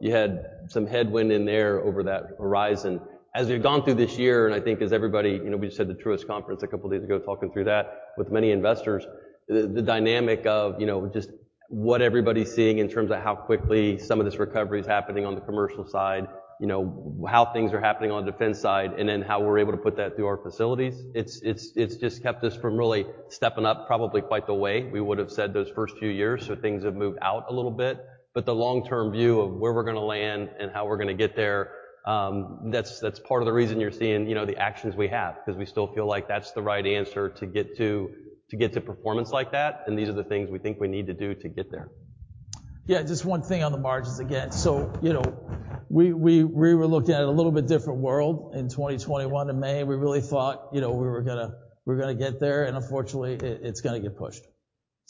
You had some headwind in there over that horizon. As we've gone through this year, I think as everybody, you know, we just had the Truist conference a couple days ago talking through that with many investors, the dynamic of, you know, just what everybody's seeing in terms of how quickly some of this recovery is happening on the commercial side, you know, how things are happening on the defense side, and then how we're able to put that through our facilities, it's just kept us from really stepping up probably quite the way we would have said those first few years. Things have moved out a little bit. The long-term view of where we're gonna land and how we're gonna get there, that's part of the reason you're seeing, you know, the actions we have, 'cause we still feel like that's the right answer to get to performance like that, and these are the things we think we need to do to get there. Yeah. Just one thing on the margins again. you know, we were looking at a little bit different world in 2021. In May, we really thought, you know, we were gonna get there, and unfortunately, it's gonna get pushed.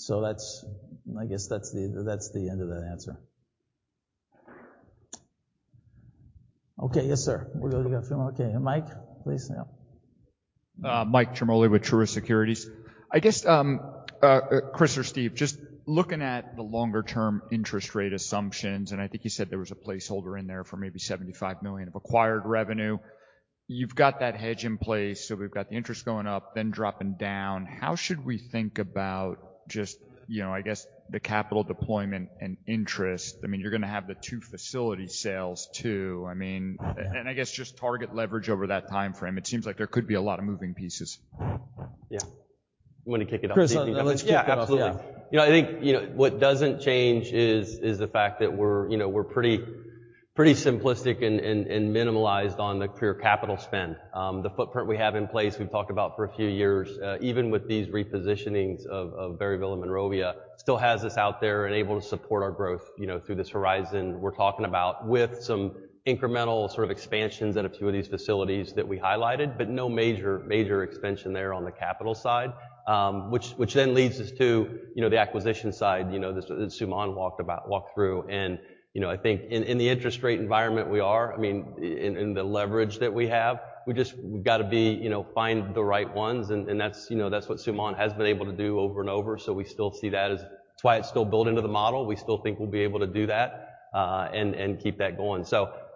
That's the end of that answer. Okay. Yes, sir. We're good. We got two more. Okay. Mike, please. Yeah. Mike Ciarmoli with Truist Securities. Chris or Steve, just looking at the longer term interest rate assumptions. I think you said there was a placeholder in there for maybe $75 million of acquired revenue. You've got that hedge in place. We've got the interest going up, then dropping down. How should we think about, you know, the capital deployment and interest? You're gonna have the two facility sales, too. Target leverage over that timeframe. It seems like there could be a lot of moving pieces. Yeah. Want to kick it off, Steve? Chris, let's kick it off. Yeah. Yeah, absolutely. You know, I think, you know, what doesn't change is the fact that we're, you know, pretty simplistic and minimalized on the clear capital spend. The footprint we have in place, we've talked about for a few years, even with these repositionings of Berryville and Monrovia, still has us out there and able to support our growth, you know, through this horizon we're talking about with some incremental sort of expansions in a few of these facilities that we highlighted, but no major expansion there on the capital side. Which then leads us to, you know, the acquisition side, you know, that Suman walked through. You know, I think in the interest rate environment we are, I mean, in the leverage that we have, we just, we've got to be, you know, find the right ones. That's, you know, that's what Suman has been able to do over and over. We still see that that's why it's still built into the model. We still think we'll be able to do that and keep that going.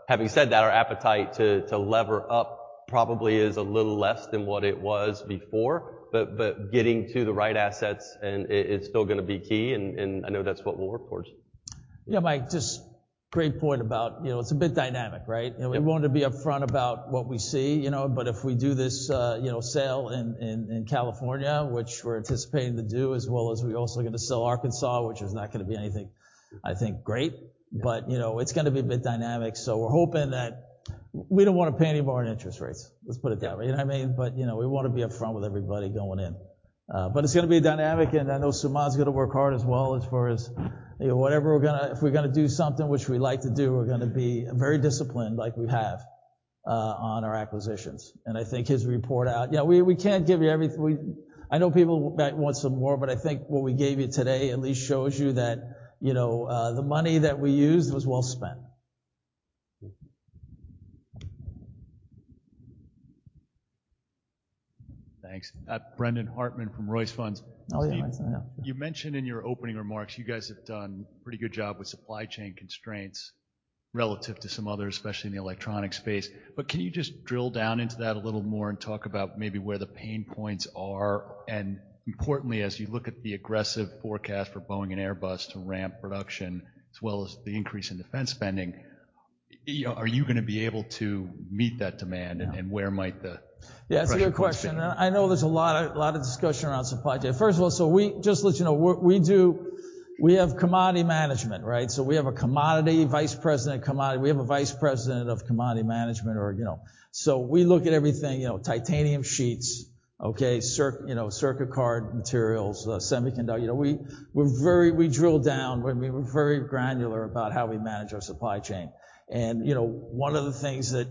Having said that, our appetite to lever up probably is a little less than what it was before, but getting to the right assets and it's still gonna be key, and I know that's what we'll work towards. Yeah, Mike, just great point about, you know, it's a bit dynamic, right? You know, we want to be upfront about what we see, you know, but if we do this, you know, sale in California, which we're anticipating to do, as well as we're also gonna sell Arkansas, which is not gonna be anything, I think, great. You know, it's gonna be a bit dynamic. We're hoping that we don't wanna pay any more in interest rates. Let's put it that way. You know what I mean? You know, we wanna be upfront with everybody going in. It's gonna be dynamic, and I know Suman's gonna work hard as well as far as, you know, if we're gonna do something, which we like to do, we're gonna be very disciplined like we have on our acquisitions. I think his report out. You know, we can't give you everything. I know people might want some more, but I think what we gave you today at least shows you that, you know, the money that we used was well spent. Thanks. Brendan Hartman from Royce Funds. Oh, yeah. Steve, you mentioned in your opening remarks you guys have done pretty good job with supply chain constraints relative to some others, especially in the electronic space. Can you just drill down into that a little more and talk about maybe where the pain points are? Importantly, as you look at the aggressive forecast for Boeing and Airbus to ramp production as well as the increase in defense spending, you know, are you gonna be able to meet that demand? Yeah. where might. Yeah, it's a good question. I know there's a lot of discussion around supply chain. First of all, just to let you know, we do, we have commodity management, right? We have a commodity vice president commodity. We have a vice president of commodity management or, you know. We look at everything, you know, titanium sheets, okay, you know, circuit card materials, semiconductor. You know, we drill down when we're very granular about how we manage our supply chain. You know, one of the things that,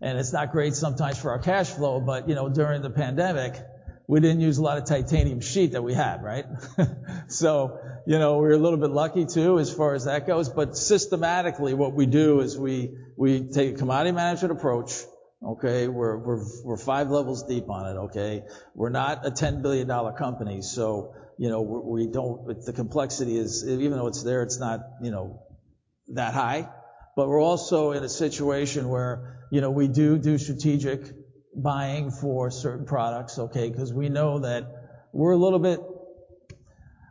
and it's not great sometimes for our cash flow, but, you know, during the pandemic, we didn't use a lot of titanium sheet that we had, right? You know, we're a little bit lucky, too, as far as that goes. Systematically, what we do is we take a commodity management approach, okay. We're five levels deep on it, okay. We're not a $10 billion company, so, you know, we don't with the complexity is, even though it's there, it's not, you know, that high. We're also in a situation where, you know, we do strategic buying for certain products, okay. 'Cause we know that we're a little bit, I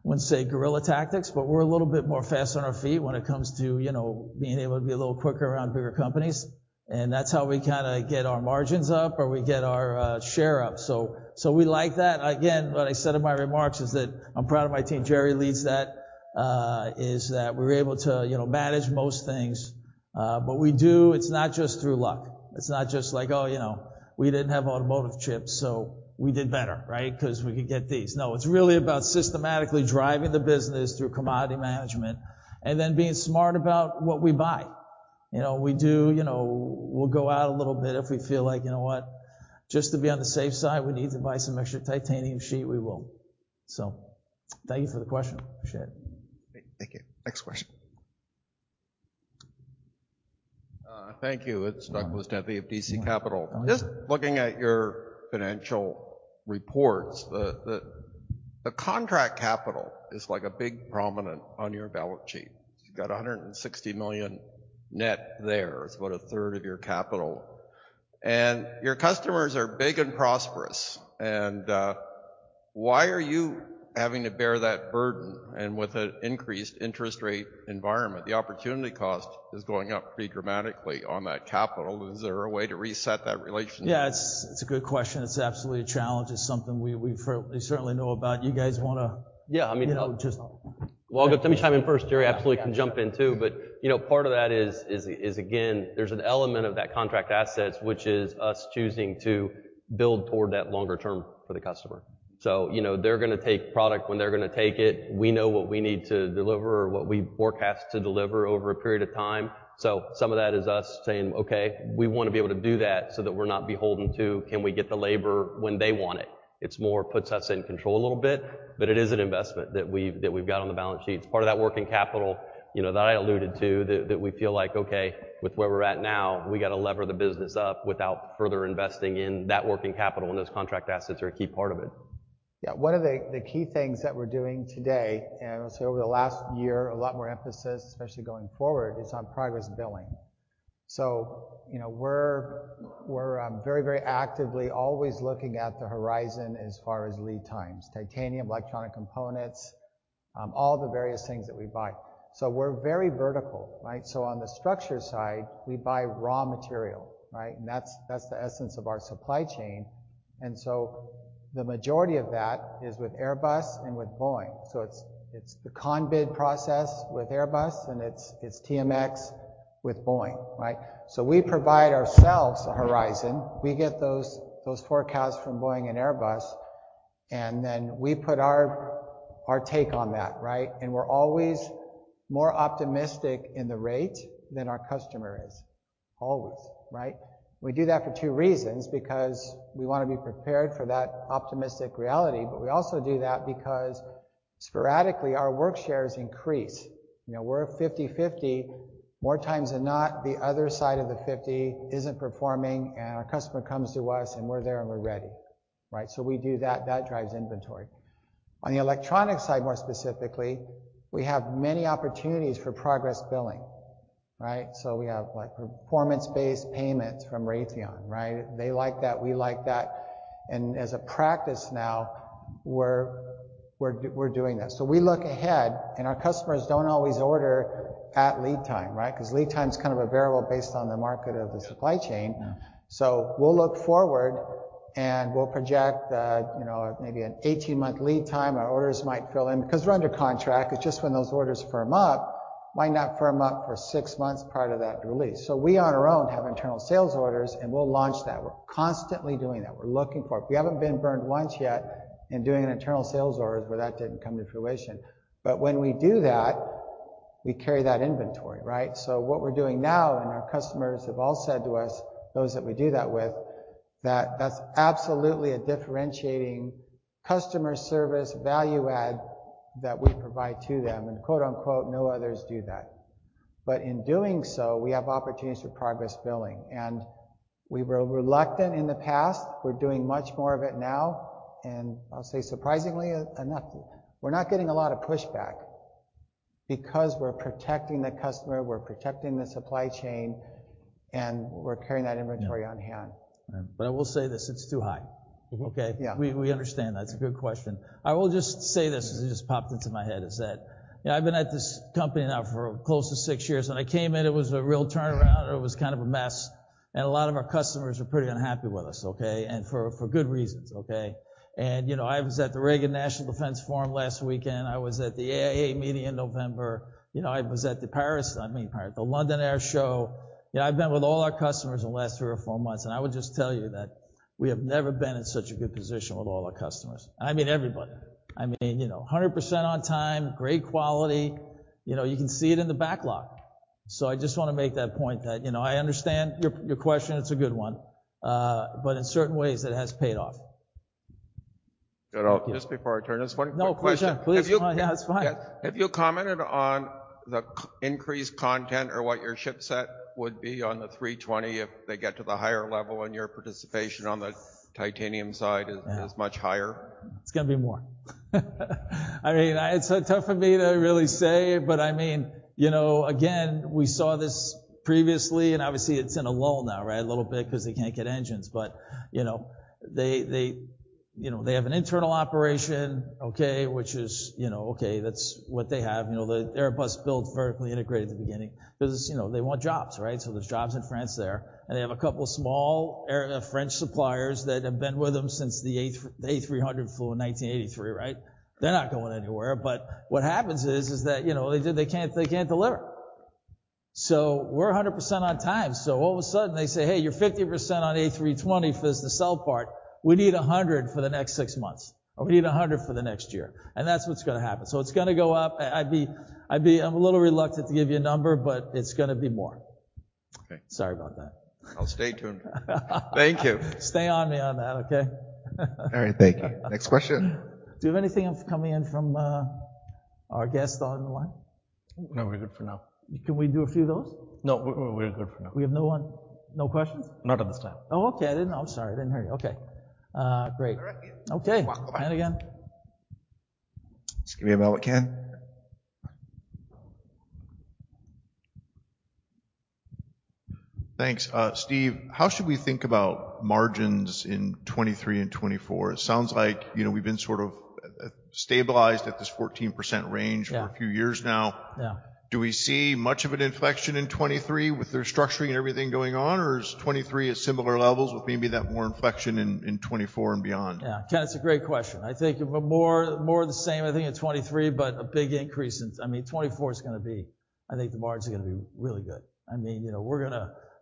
wouldn't say guerrilla tactics, but we're a little bit more fast on our feet when it comes to, you know, being able to be a little quicker around bigger companies. That's how we kinda get our margins up or we get our share up. We like that. Again, what I said in my remarks is that I'm proud of my team. Jerry leads that, is that we're able to, you know, manage most things. We do. It's not just through luck. It's not just like, oh, you know, we didn't have automotive chips, so we did better, right? 'Cause we could get these. It's really about systematically driving the business through commodity management and then being smart about what we buy. You know, we do, you know, we'll go out a little bit if we feel like, you know what? Just to be on the safe side, we need to buy some extra titanium sheet, we will. Thank you for the question. Appreciate it. Thank you. Next question. Thank you. It's Douglas of WPC Capital. Just looking at your financial reports, the contract capital is like a big prominent on your balance sheet. You've got $160 million net there. It's about a third of your capital, and your customers are big and prosperous. Why are you having to bear that burden? With an increased interest rate environment, the opportunity cost is going up pretty dramatically on that capital. Is there a way to reset that relationship? Yeah. It's a good question. It's absolutely a challenge. It's something we certainly know about. You guys wanna- Yeah, I mean- You know. Let me chime in first. Jerry absolutely can jump in too. You know, part of that is, is again, there's an element of that contract assets which is us choosing to build toward that longer term for the customer. You know, they're gonna take product when they're gonna take it. We know what we need to deliver or what we forecast to deliver over a period of time. Some of that is us saying, "Okay, we wanna be able to do that so that we're not beholden to can we get the labor when they want it?" It's more puts us in control a little bit, but it is an investment that we've, that we've got on the balance sheet. It's part of that working capital, you know, that I alluded to, that we feel like, okay, with where we're at now, we gotta lever the business up without further investing in that working capital, and those contract assets are a key part of it. One of the key things that we're doing today, I would say over the last year, a lot more emphasis, especially going forward, is on progress billing. You know, we're very, very actively always looking at the horizon as far as lead times, titanium, electronic components, all the various things that we buy. We're very vertical, right? On the structure side, we buy raw material, right? That's the essence of our supply chain. The majority of that is with Airbus and with Boeing. It's the con bid process with Airbus, it's TMX with Boeing, right? We provide ourselves a horizon. We get those forecasts from Boeing and Airbus, we put our take on that, right? We're always more optimistic in the rate than our customer is. Always, right? We do that for two reasons, because we wanna be prepared for that optimistic reality, but we also do that because sporadically our work shares increase. You know, we're 50/50, more times than not, the other side of the 50 isn't performing, and our customer comes to us, and we're there, and we're ready, right? We do that. That drives inventory. On the electronic side, more specifically, we have many opportunities for progress billing, right? We have, what? Performance-based payments from Raytheon, right? They like that. We like that. As a practice now, we're doing this. We look ahead, and our customers don't always order at lead time, right? 'Cause lead time's kind of a variable based on the market of the supply chain. We'll look forward, and we'll project that, you know, maybe an 18-month lead time our orders might fill in because we're under contract. It's just when those orders firm up, might not firm up for six months prior to that release. We on our own have internal sales orders, and we'll launch that. We're constantly doing that. We're looking for it. We haven't been burned once yet in doing an internal sales orders where that didn't come to fruition. When we do that, we carry that inventory, right? What we're doing now, and our customers have all said to us, those that we do that with, that that's absolutely a differentiating customer service value add that we provide to them, and quote unquote, "No others do that." In doing so, we have opportunities for progress billing. We were reluctant in the past. We're doing much more of it now. I'll say surprisingly enough, we're not getting a lot of pushback because we're protecting the customer, we're protecting the supply chain, and we're carrying that inventory on hand. I will say this, it's too high. Mm-hmm. Okay? Yeah. We understand that. It's a good question. I will just say this, it just popped into my head, is that, you know, I've been at this company now for close to six years. When I came in, it was a real turnaround, or it was kind of a mess, and a lot of our customers were pretty unhappy with us, okay? For good reasons, okay? You know, I was at the Reagan National Defense Forum last weekend. I was at the AAA meeting in November. You know, I was at the Paris, the London Air Show. You know, I've met with all our customers in the last three or four months, I would just tell you that we have never been in such a good position with all our customers. I mean, everybody. I mean, you know, 100% on time, great quality. You know, you can see it in the backlog. I just wanna make that point that, you know, I understand your question. It's a good one. In certain ways, it has paid off. Good. Just before I turn this one. No, question please. Yeah, that's fine. Have you commented on the increased content or what your ship set would be on the A320 if they get to the higher level, and your participation on the titanium side is much higher? It's gonna be more. I mean, it's tough for me to really say, but I mean, you know, again, we saw this previously, obviously it's in a lull now, right? A little bit 'cause they can't get engines. You know, they have an internal operation, okay, which is, you know, okay, that's what they have. You know, the Airbus built vertically integrated at the beginning because, you know, they want jobs, right? There's jobs in France there. They have a couple small French suppliers that have been with them since the A300 flew in 1983, right? They're not going anywhere. What happens is that, you know, they can't deliver. We're 100% on time. All of a sudden they say, "Hey, you're 50% on A320 for this to sell part. We need 100 for the next six months, or we need 100 for the next year." That's what's gonna happen. It's gonna go up. I'd be... I'm a little reluctant to give you a number, but it's gonna be more. Okay. Sorry about that. I'll stay tuned. Thank you. Stay on me on that, okay? All right, thank you. Next question. Do you have anything else coming in from our guests on the line? No, we're good for now. Can we do a few of those? No, we're good for now. We have no one. No questions? Not at this time. Oh, okay. I'm sorry. I didn't hear you. Okay. Great. All right. Okay. Welcome back. Hi again. Let's give you a moment, Ken. Thanks. Steve, how should we think about margins in 2023 and 2024? It sounds like, you know, we've been sort of stabilized at this 14% range? Yeah. for a few years now. Yeah. Do we see much of an inflection in 2023 with the restructuring and everything going on, or is 2023 at similar levels with maybe that more inflection in 2024 and beyond? Yeah. Ken, it's a great question. I think more the same, I think, in 2023. A big increase in... I think the margins are gonna be really good.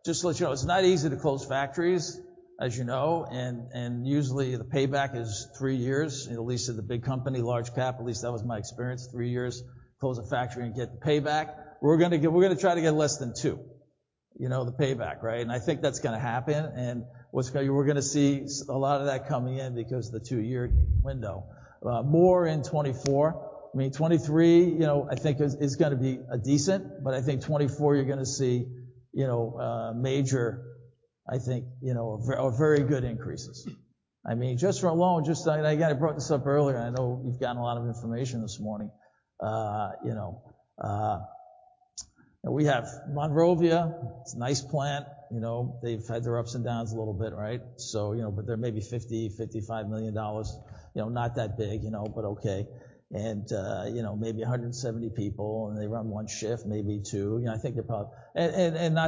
Just to let you know, it's not easy to close factories, as you know, and usually the payback is three years, at least at the big company, large cap. At least that was my experience. Three years, close a factory and get the payback. We're gonna try to get less than two, you know, the payback, right? I think that's gonna happen. We're gonna see a lot of that coming in because of the two-year window. More in 2024. I mean, 2023, you know, I think is gonna be decent, but I think 2024, you're gonna see, you know, major, I think, a very good increases. I mean, just from alone, just, and again, I brought this up earlier, and I know you've gotten a lot of information this morning. We have Monrovia. It's a nice plant. You know, they've had their ups and downs a little bit, right? You know, but they're maybe $50, $55 million. You know, not that big, you know, but okay. Maybe 170 people, and they run one shift, maybe two. Not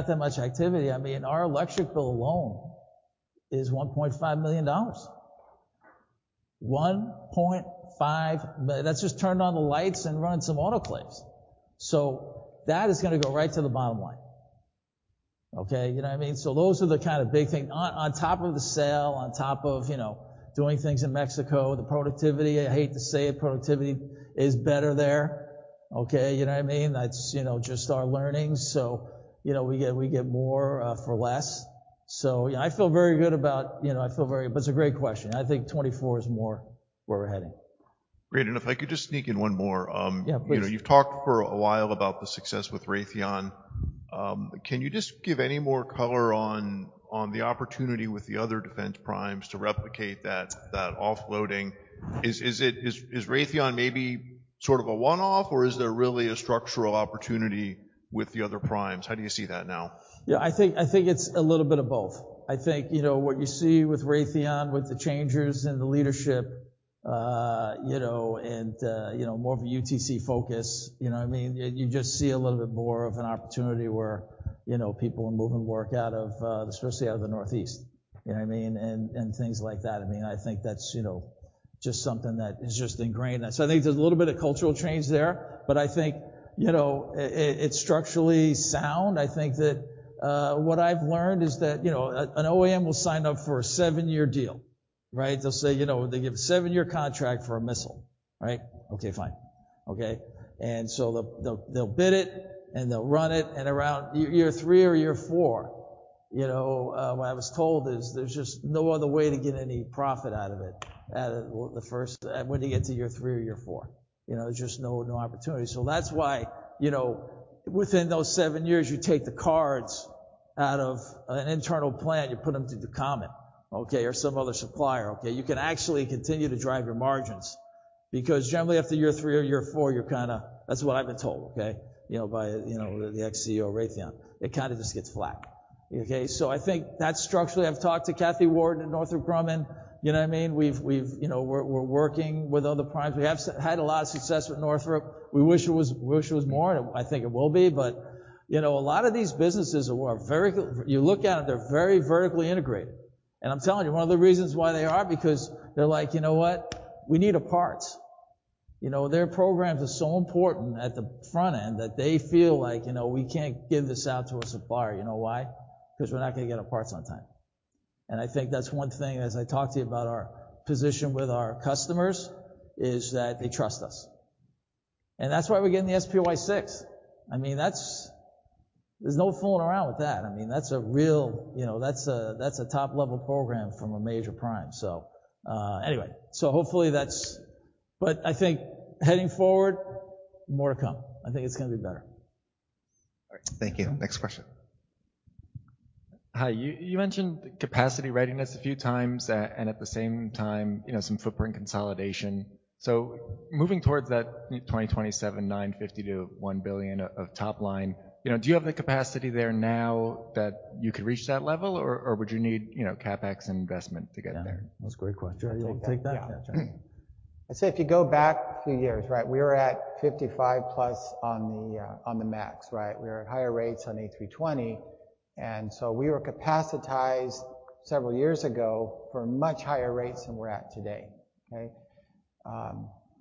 that much activity. I mean, our electric bill alone is $1.5 million. $1.5 mil-- That's just turn on the lights and run some autoclaves. That is gonna go right to the bottom line. Okay? You know what I mean? Those are the kinda big thing. On top of the sale, on top of, you know, doing things in Mexico, the productivity. I hate to say it, productivity is better there, okay? You know what I mean? That's, you know, just our learnings. You know, we get more for less. You know, I feel very good about, you know, I feel very... It's a great question. I think 2024 is more where we're heading. Great. If I could just sneak in one more. Yeah, please. You know, you've talked for a while about the success with Raytheon. Can you just give any more color on the opportunity with the other defense primes to replicate that offloading? Is it Raytheon maybe sort of a one-off or is there really a structural opportunity with the other primes? How do you see that now? Yeah. I think it's a little bit of both. I think, you know, what you see with Raytheon, with the changes in the leadership, you know, and, you know, more of a UTC focus. You know what I mean? You just see a little bit more of an opportunity where, you know, people are moving work out of, especially out of the Northeast. You know what I mean? Things like that. I mean, I think that's, you know, just something that is just ingrained. I think there's a little bit of cultural change there, but I think, you know, it's structurally sound. I think that, what I've learned is that, you know, an OEM will sign up for a seven-year deal, right? They'll say, you know, they give a seven-year contract for a missile, right? Okay, fine. Okay. They'll bid it and they'll run it at around year three or year four. You know, what I was told is there's just no other way to get any profit out of it at the first when you get to year three or year four. You know, there's just no opportunity. That's why, you know, within those seven years, you take the cards out of an internal plant, you put them through the Comet, okay, or some other supplier, okay? You can actually continue to drive your margins because generally after year three or year four, you're kinda... That's what I've been told, okay? You know, by, you know, the ex-CEO of Raytheon. It kinda just gets flat. Okay? I think that structurally, I've talked to Kathy Warden at Northrop Grumman. You know what I mean? We've, you know, we're working with other primes. We had a lot of success with Northrop. We wish it was more. I think it will be. You know, a lot of these businesses are very, you look at it, they're very vertically integrated. I'm telling you, one of the reasons why they are, because they're like, "You know what? We need the parts." You know, their programs are so important at the front end that they feel like, "You know, we can't give this out to a supplier. You know why? Because we're not gonna get our parts on time." I think that's one thing, as I talk to you about our position with our customers, is that they trust us. That's why we're getting the SPY-6. I mean, that's, there's no fooling around with that. I mean, that's a real, you know, that's a top-level program from a major prime. Anyway, so hopefully that's. I think heading forward, more to come. I think it's gonna be better. All right. Thank you. Next question. Hi. You mentioned capacity readiness a few times, at the same time, you know, some footprint consolidation. Moving towards that 2027, $950 million to $1 billion of top line, you know, do you have the capacity there now that you could reach that level or would you need, you know, CapEx investment to get there? That's a great question. Do you wanna take that? Yeah. Yeah, sure. I'd say if you go back a few years, right, we were at 55+ on the, on the MAX, right? We were at higher rates on A320. We were capacitized several years ago for much higher rates than we're at today. Okay?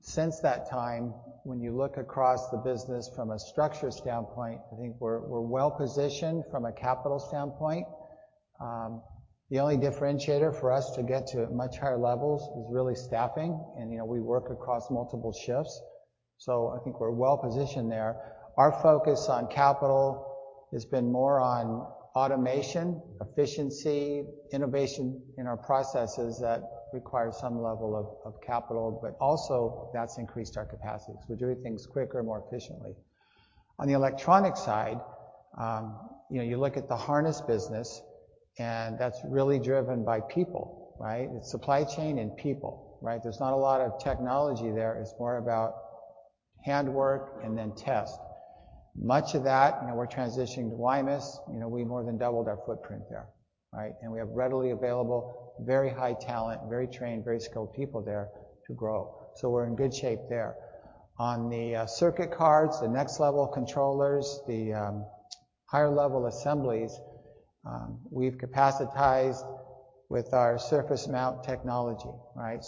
Since that time, when you look across the business from a structure standpoint, I think we're well-positioned from a capital standpoint. The only differentiator for us to get to much higher levels is really staffing, and, you know, we work across multiple shifts. I think we're well-positioned there. Our focus on capital has been more on automation, efficiency, innovation in our processes that require some level of capital, but also that's increased our capacity. We're doing things quicker and more efficiently. On the electronic side, you know, you look at the harness business, and that's really driven by people, right? It's supply chain and people, right? There's not a lot of technology there. It's more about handwork and then test. Much of that, you know, we're transitioning to Guaymas. You know, we more than doubled our footprint there, right? We have readily available, very high talent, very trained, very skilled people there to grow. We're in good shape there. On the circuit cards, the next level controllers, the higher level assemblies, we've capacitized with our surface mount technology, right.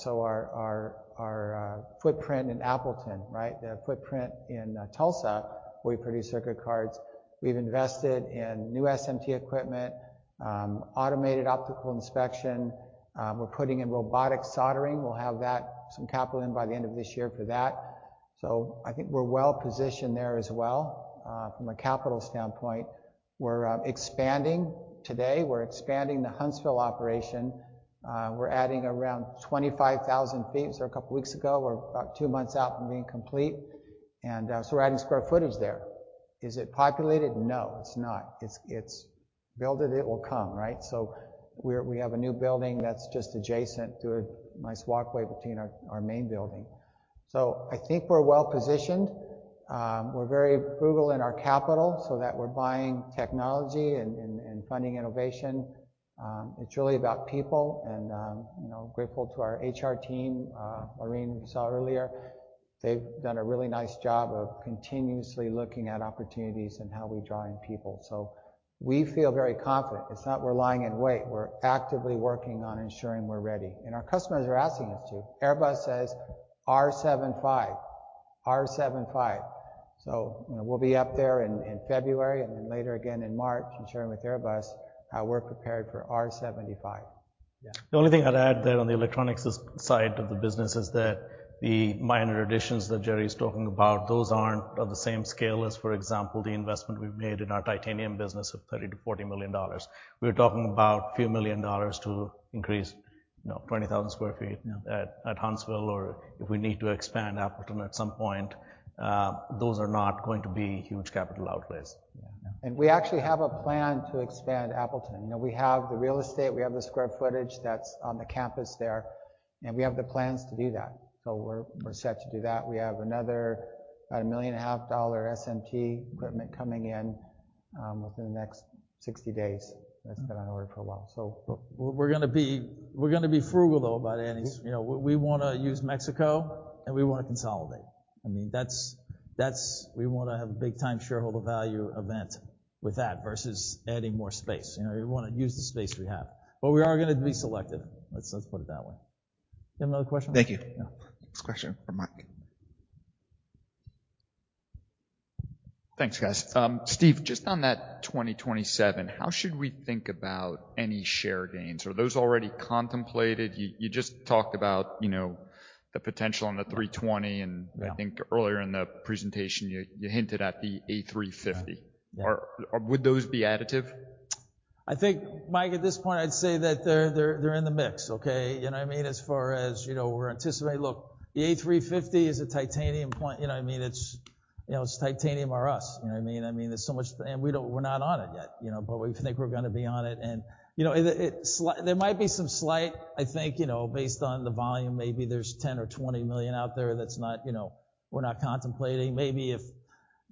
Our footprint in Appleton, right, the footprint in Tulsa, we produce circuit cards. We've invested in new SMT equipment, automated optical inspection. We're putting in robotic soldering. We'll have that, some capital in by the end of this year for that. I think we're well-positioned there as well, from a capital standpoint. We're expanding today. We're expanding the Huntsville operation. We're adding around 25,000 ft. It was a couple weeks ago. We're about two months out from being complete. We're adding square footage there. Is it populated? No, it's not. It's build it will come, right. We have a new building that's just adjacent to a nice walkway between our main building. I think we're well-positioned. We're very frugal in our capital so that we're buying technology and funding innovation. It's really about people and, you know, grateful to our HR team, Laureen you saw earlier. They've done a really nice job of continuously looking at opportunities and how we draw in people. We feel very confident. It's not we're lying in wait. We're actively working on ensuring we're ready. Our customers are asking us to. Airbus says R75. R75. You know, we'll be up there in February and then later again in March, ensuring with Airbus how we're prepared for R75. The only thing I'd add there on the electronics side of the business is that the minor additions that Jerry's talking about, those aren't of the same scale as, for example, the investment we've made in our titanium business of $30 million-$40 million. We're talking about a few million dollars to increase, you know, 20,000 sq ft at Huntsville or if we need to expand Appleton at some point. Those are not going to be huge capital outlays. We actually have a plan to expand Appleton. You know, we have the real estate, we have the square footage that's on the campus there, and we have the plans to do that. We're set to do that. We have another $1.5 million SMT equipment coming in within the next 60 days. That's been on order for a while. We're gonna be frugal, though. You know, we wanna use Mexico, and we wanna consolidate. I mean, that's, we wanna have a big time shareholder value event with that versus adding more space. You know, we wanna use the space we have. We are gonna be selective, let's put it that way. You have another question? Thank you. Yeah. Next question from Mike. Thanks, guys. Steve, just on that 2027, how should we think about any share gains? Are those already contemplated? You just talked about, you know, the potential on the A320, and... Yeah. I think earlier in the presentation you hinted at the A350. Yeah. Would those be additive? I think, Mike, at this point I'd say that they're in the mix, okay? You know what I mean? As far as, you know, we're anticipating. Look, the A350 is a titanium point. You know what I mean? It's, you know, it's titanium or us, you know what I mean? I mean, there's so much. We're not on it yet, you know? We think we're gonna be on it. You know, there might be some slight, I think, you know, based on the volume, maybe there's $10 or $20 million out there that's not, you know, we're not contemplating. Maybe if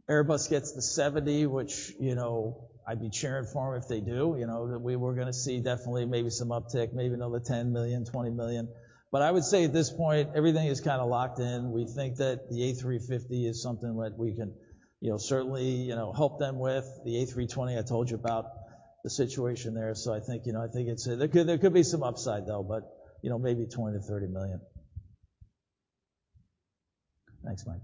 Airbus gets the 70, which, you know, I'd be cheering for them if they do, you know, that we were gonna see definitely maybe some uptick, maybe another $10 million, $20 million. I would say at this point, everything is kind of locked in. We think that the A350 is something that we can, you know, certainly, you know, help them with. The A320, I told you about the situation there. I think, you know, there could be some upside though, but, you know, maybe $20 million-$30 million. Thanks, Mike.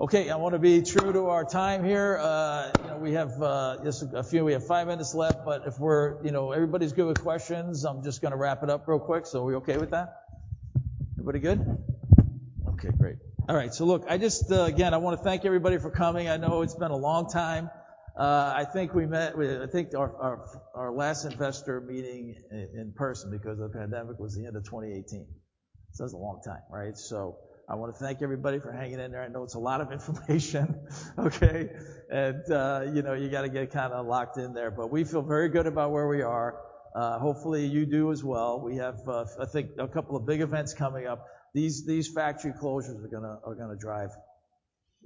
Okay, I want to be true to our time here. You know, we have just a few, we have five minutes left, but if we're, you know, everybody's good with questions, I'm just going to wrap it up real quick. Are we okay with that? Everybody good? Okay, great. All right. Look, I just again, I want to thank everybody for coming. I know it's been a long time. I think we met with, I think our last investor meeting in person, because of the pandemic, was the end of 2018. It's a long time, right? I wanna thank everybody for hanging in there. I know it's a lot of information, okay? you know, you gotta get kinda locked in there. We feel very good about where we are. Hopefully you do as well. We have, I think a couple of big events coming up. These factory closures are gonna drive,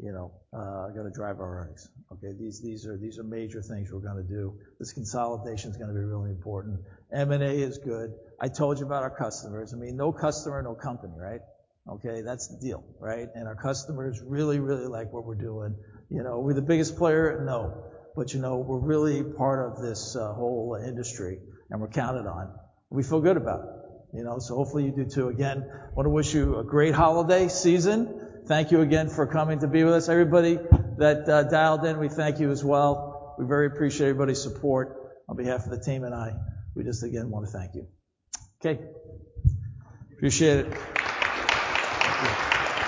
you know, are gonna drive our earnings, okay? These are major things we're gonna do. This consolidation's gonna be really important. M&A is good. I told you about our customers. I mean, no customer, no company, right? Okay, that's the deal, right? Our customers really, really like what we're doing. You know, are we the biggest player? No. You know, we're really part of this whole industry, and we're counted on, and we feel good about it, you know? Hopefully you do too. Again, wanna wish you a great holiday season. Thank you again for coming to be with us. Everybody that dialed in, we thank you as well. We very appreciate everybody's support. On behalf of the team and I, we just again wanna thank you. Okay. Appreciate it. Thank you.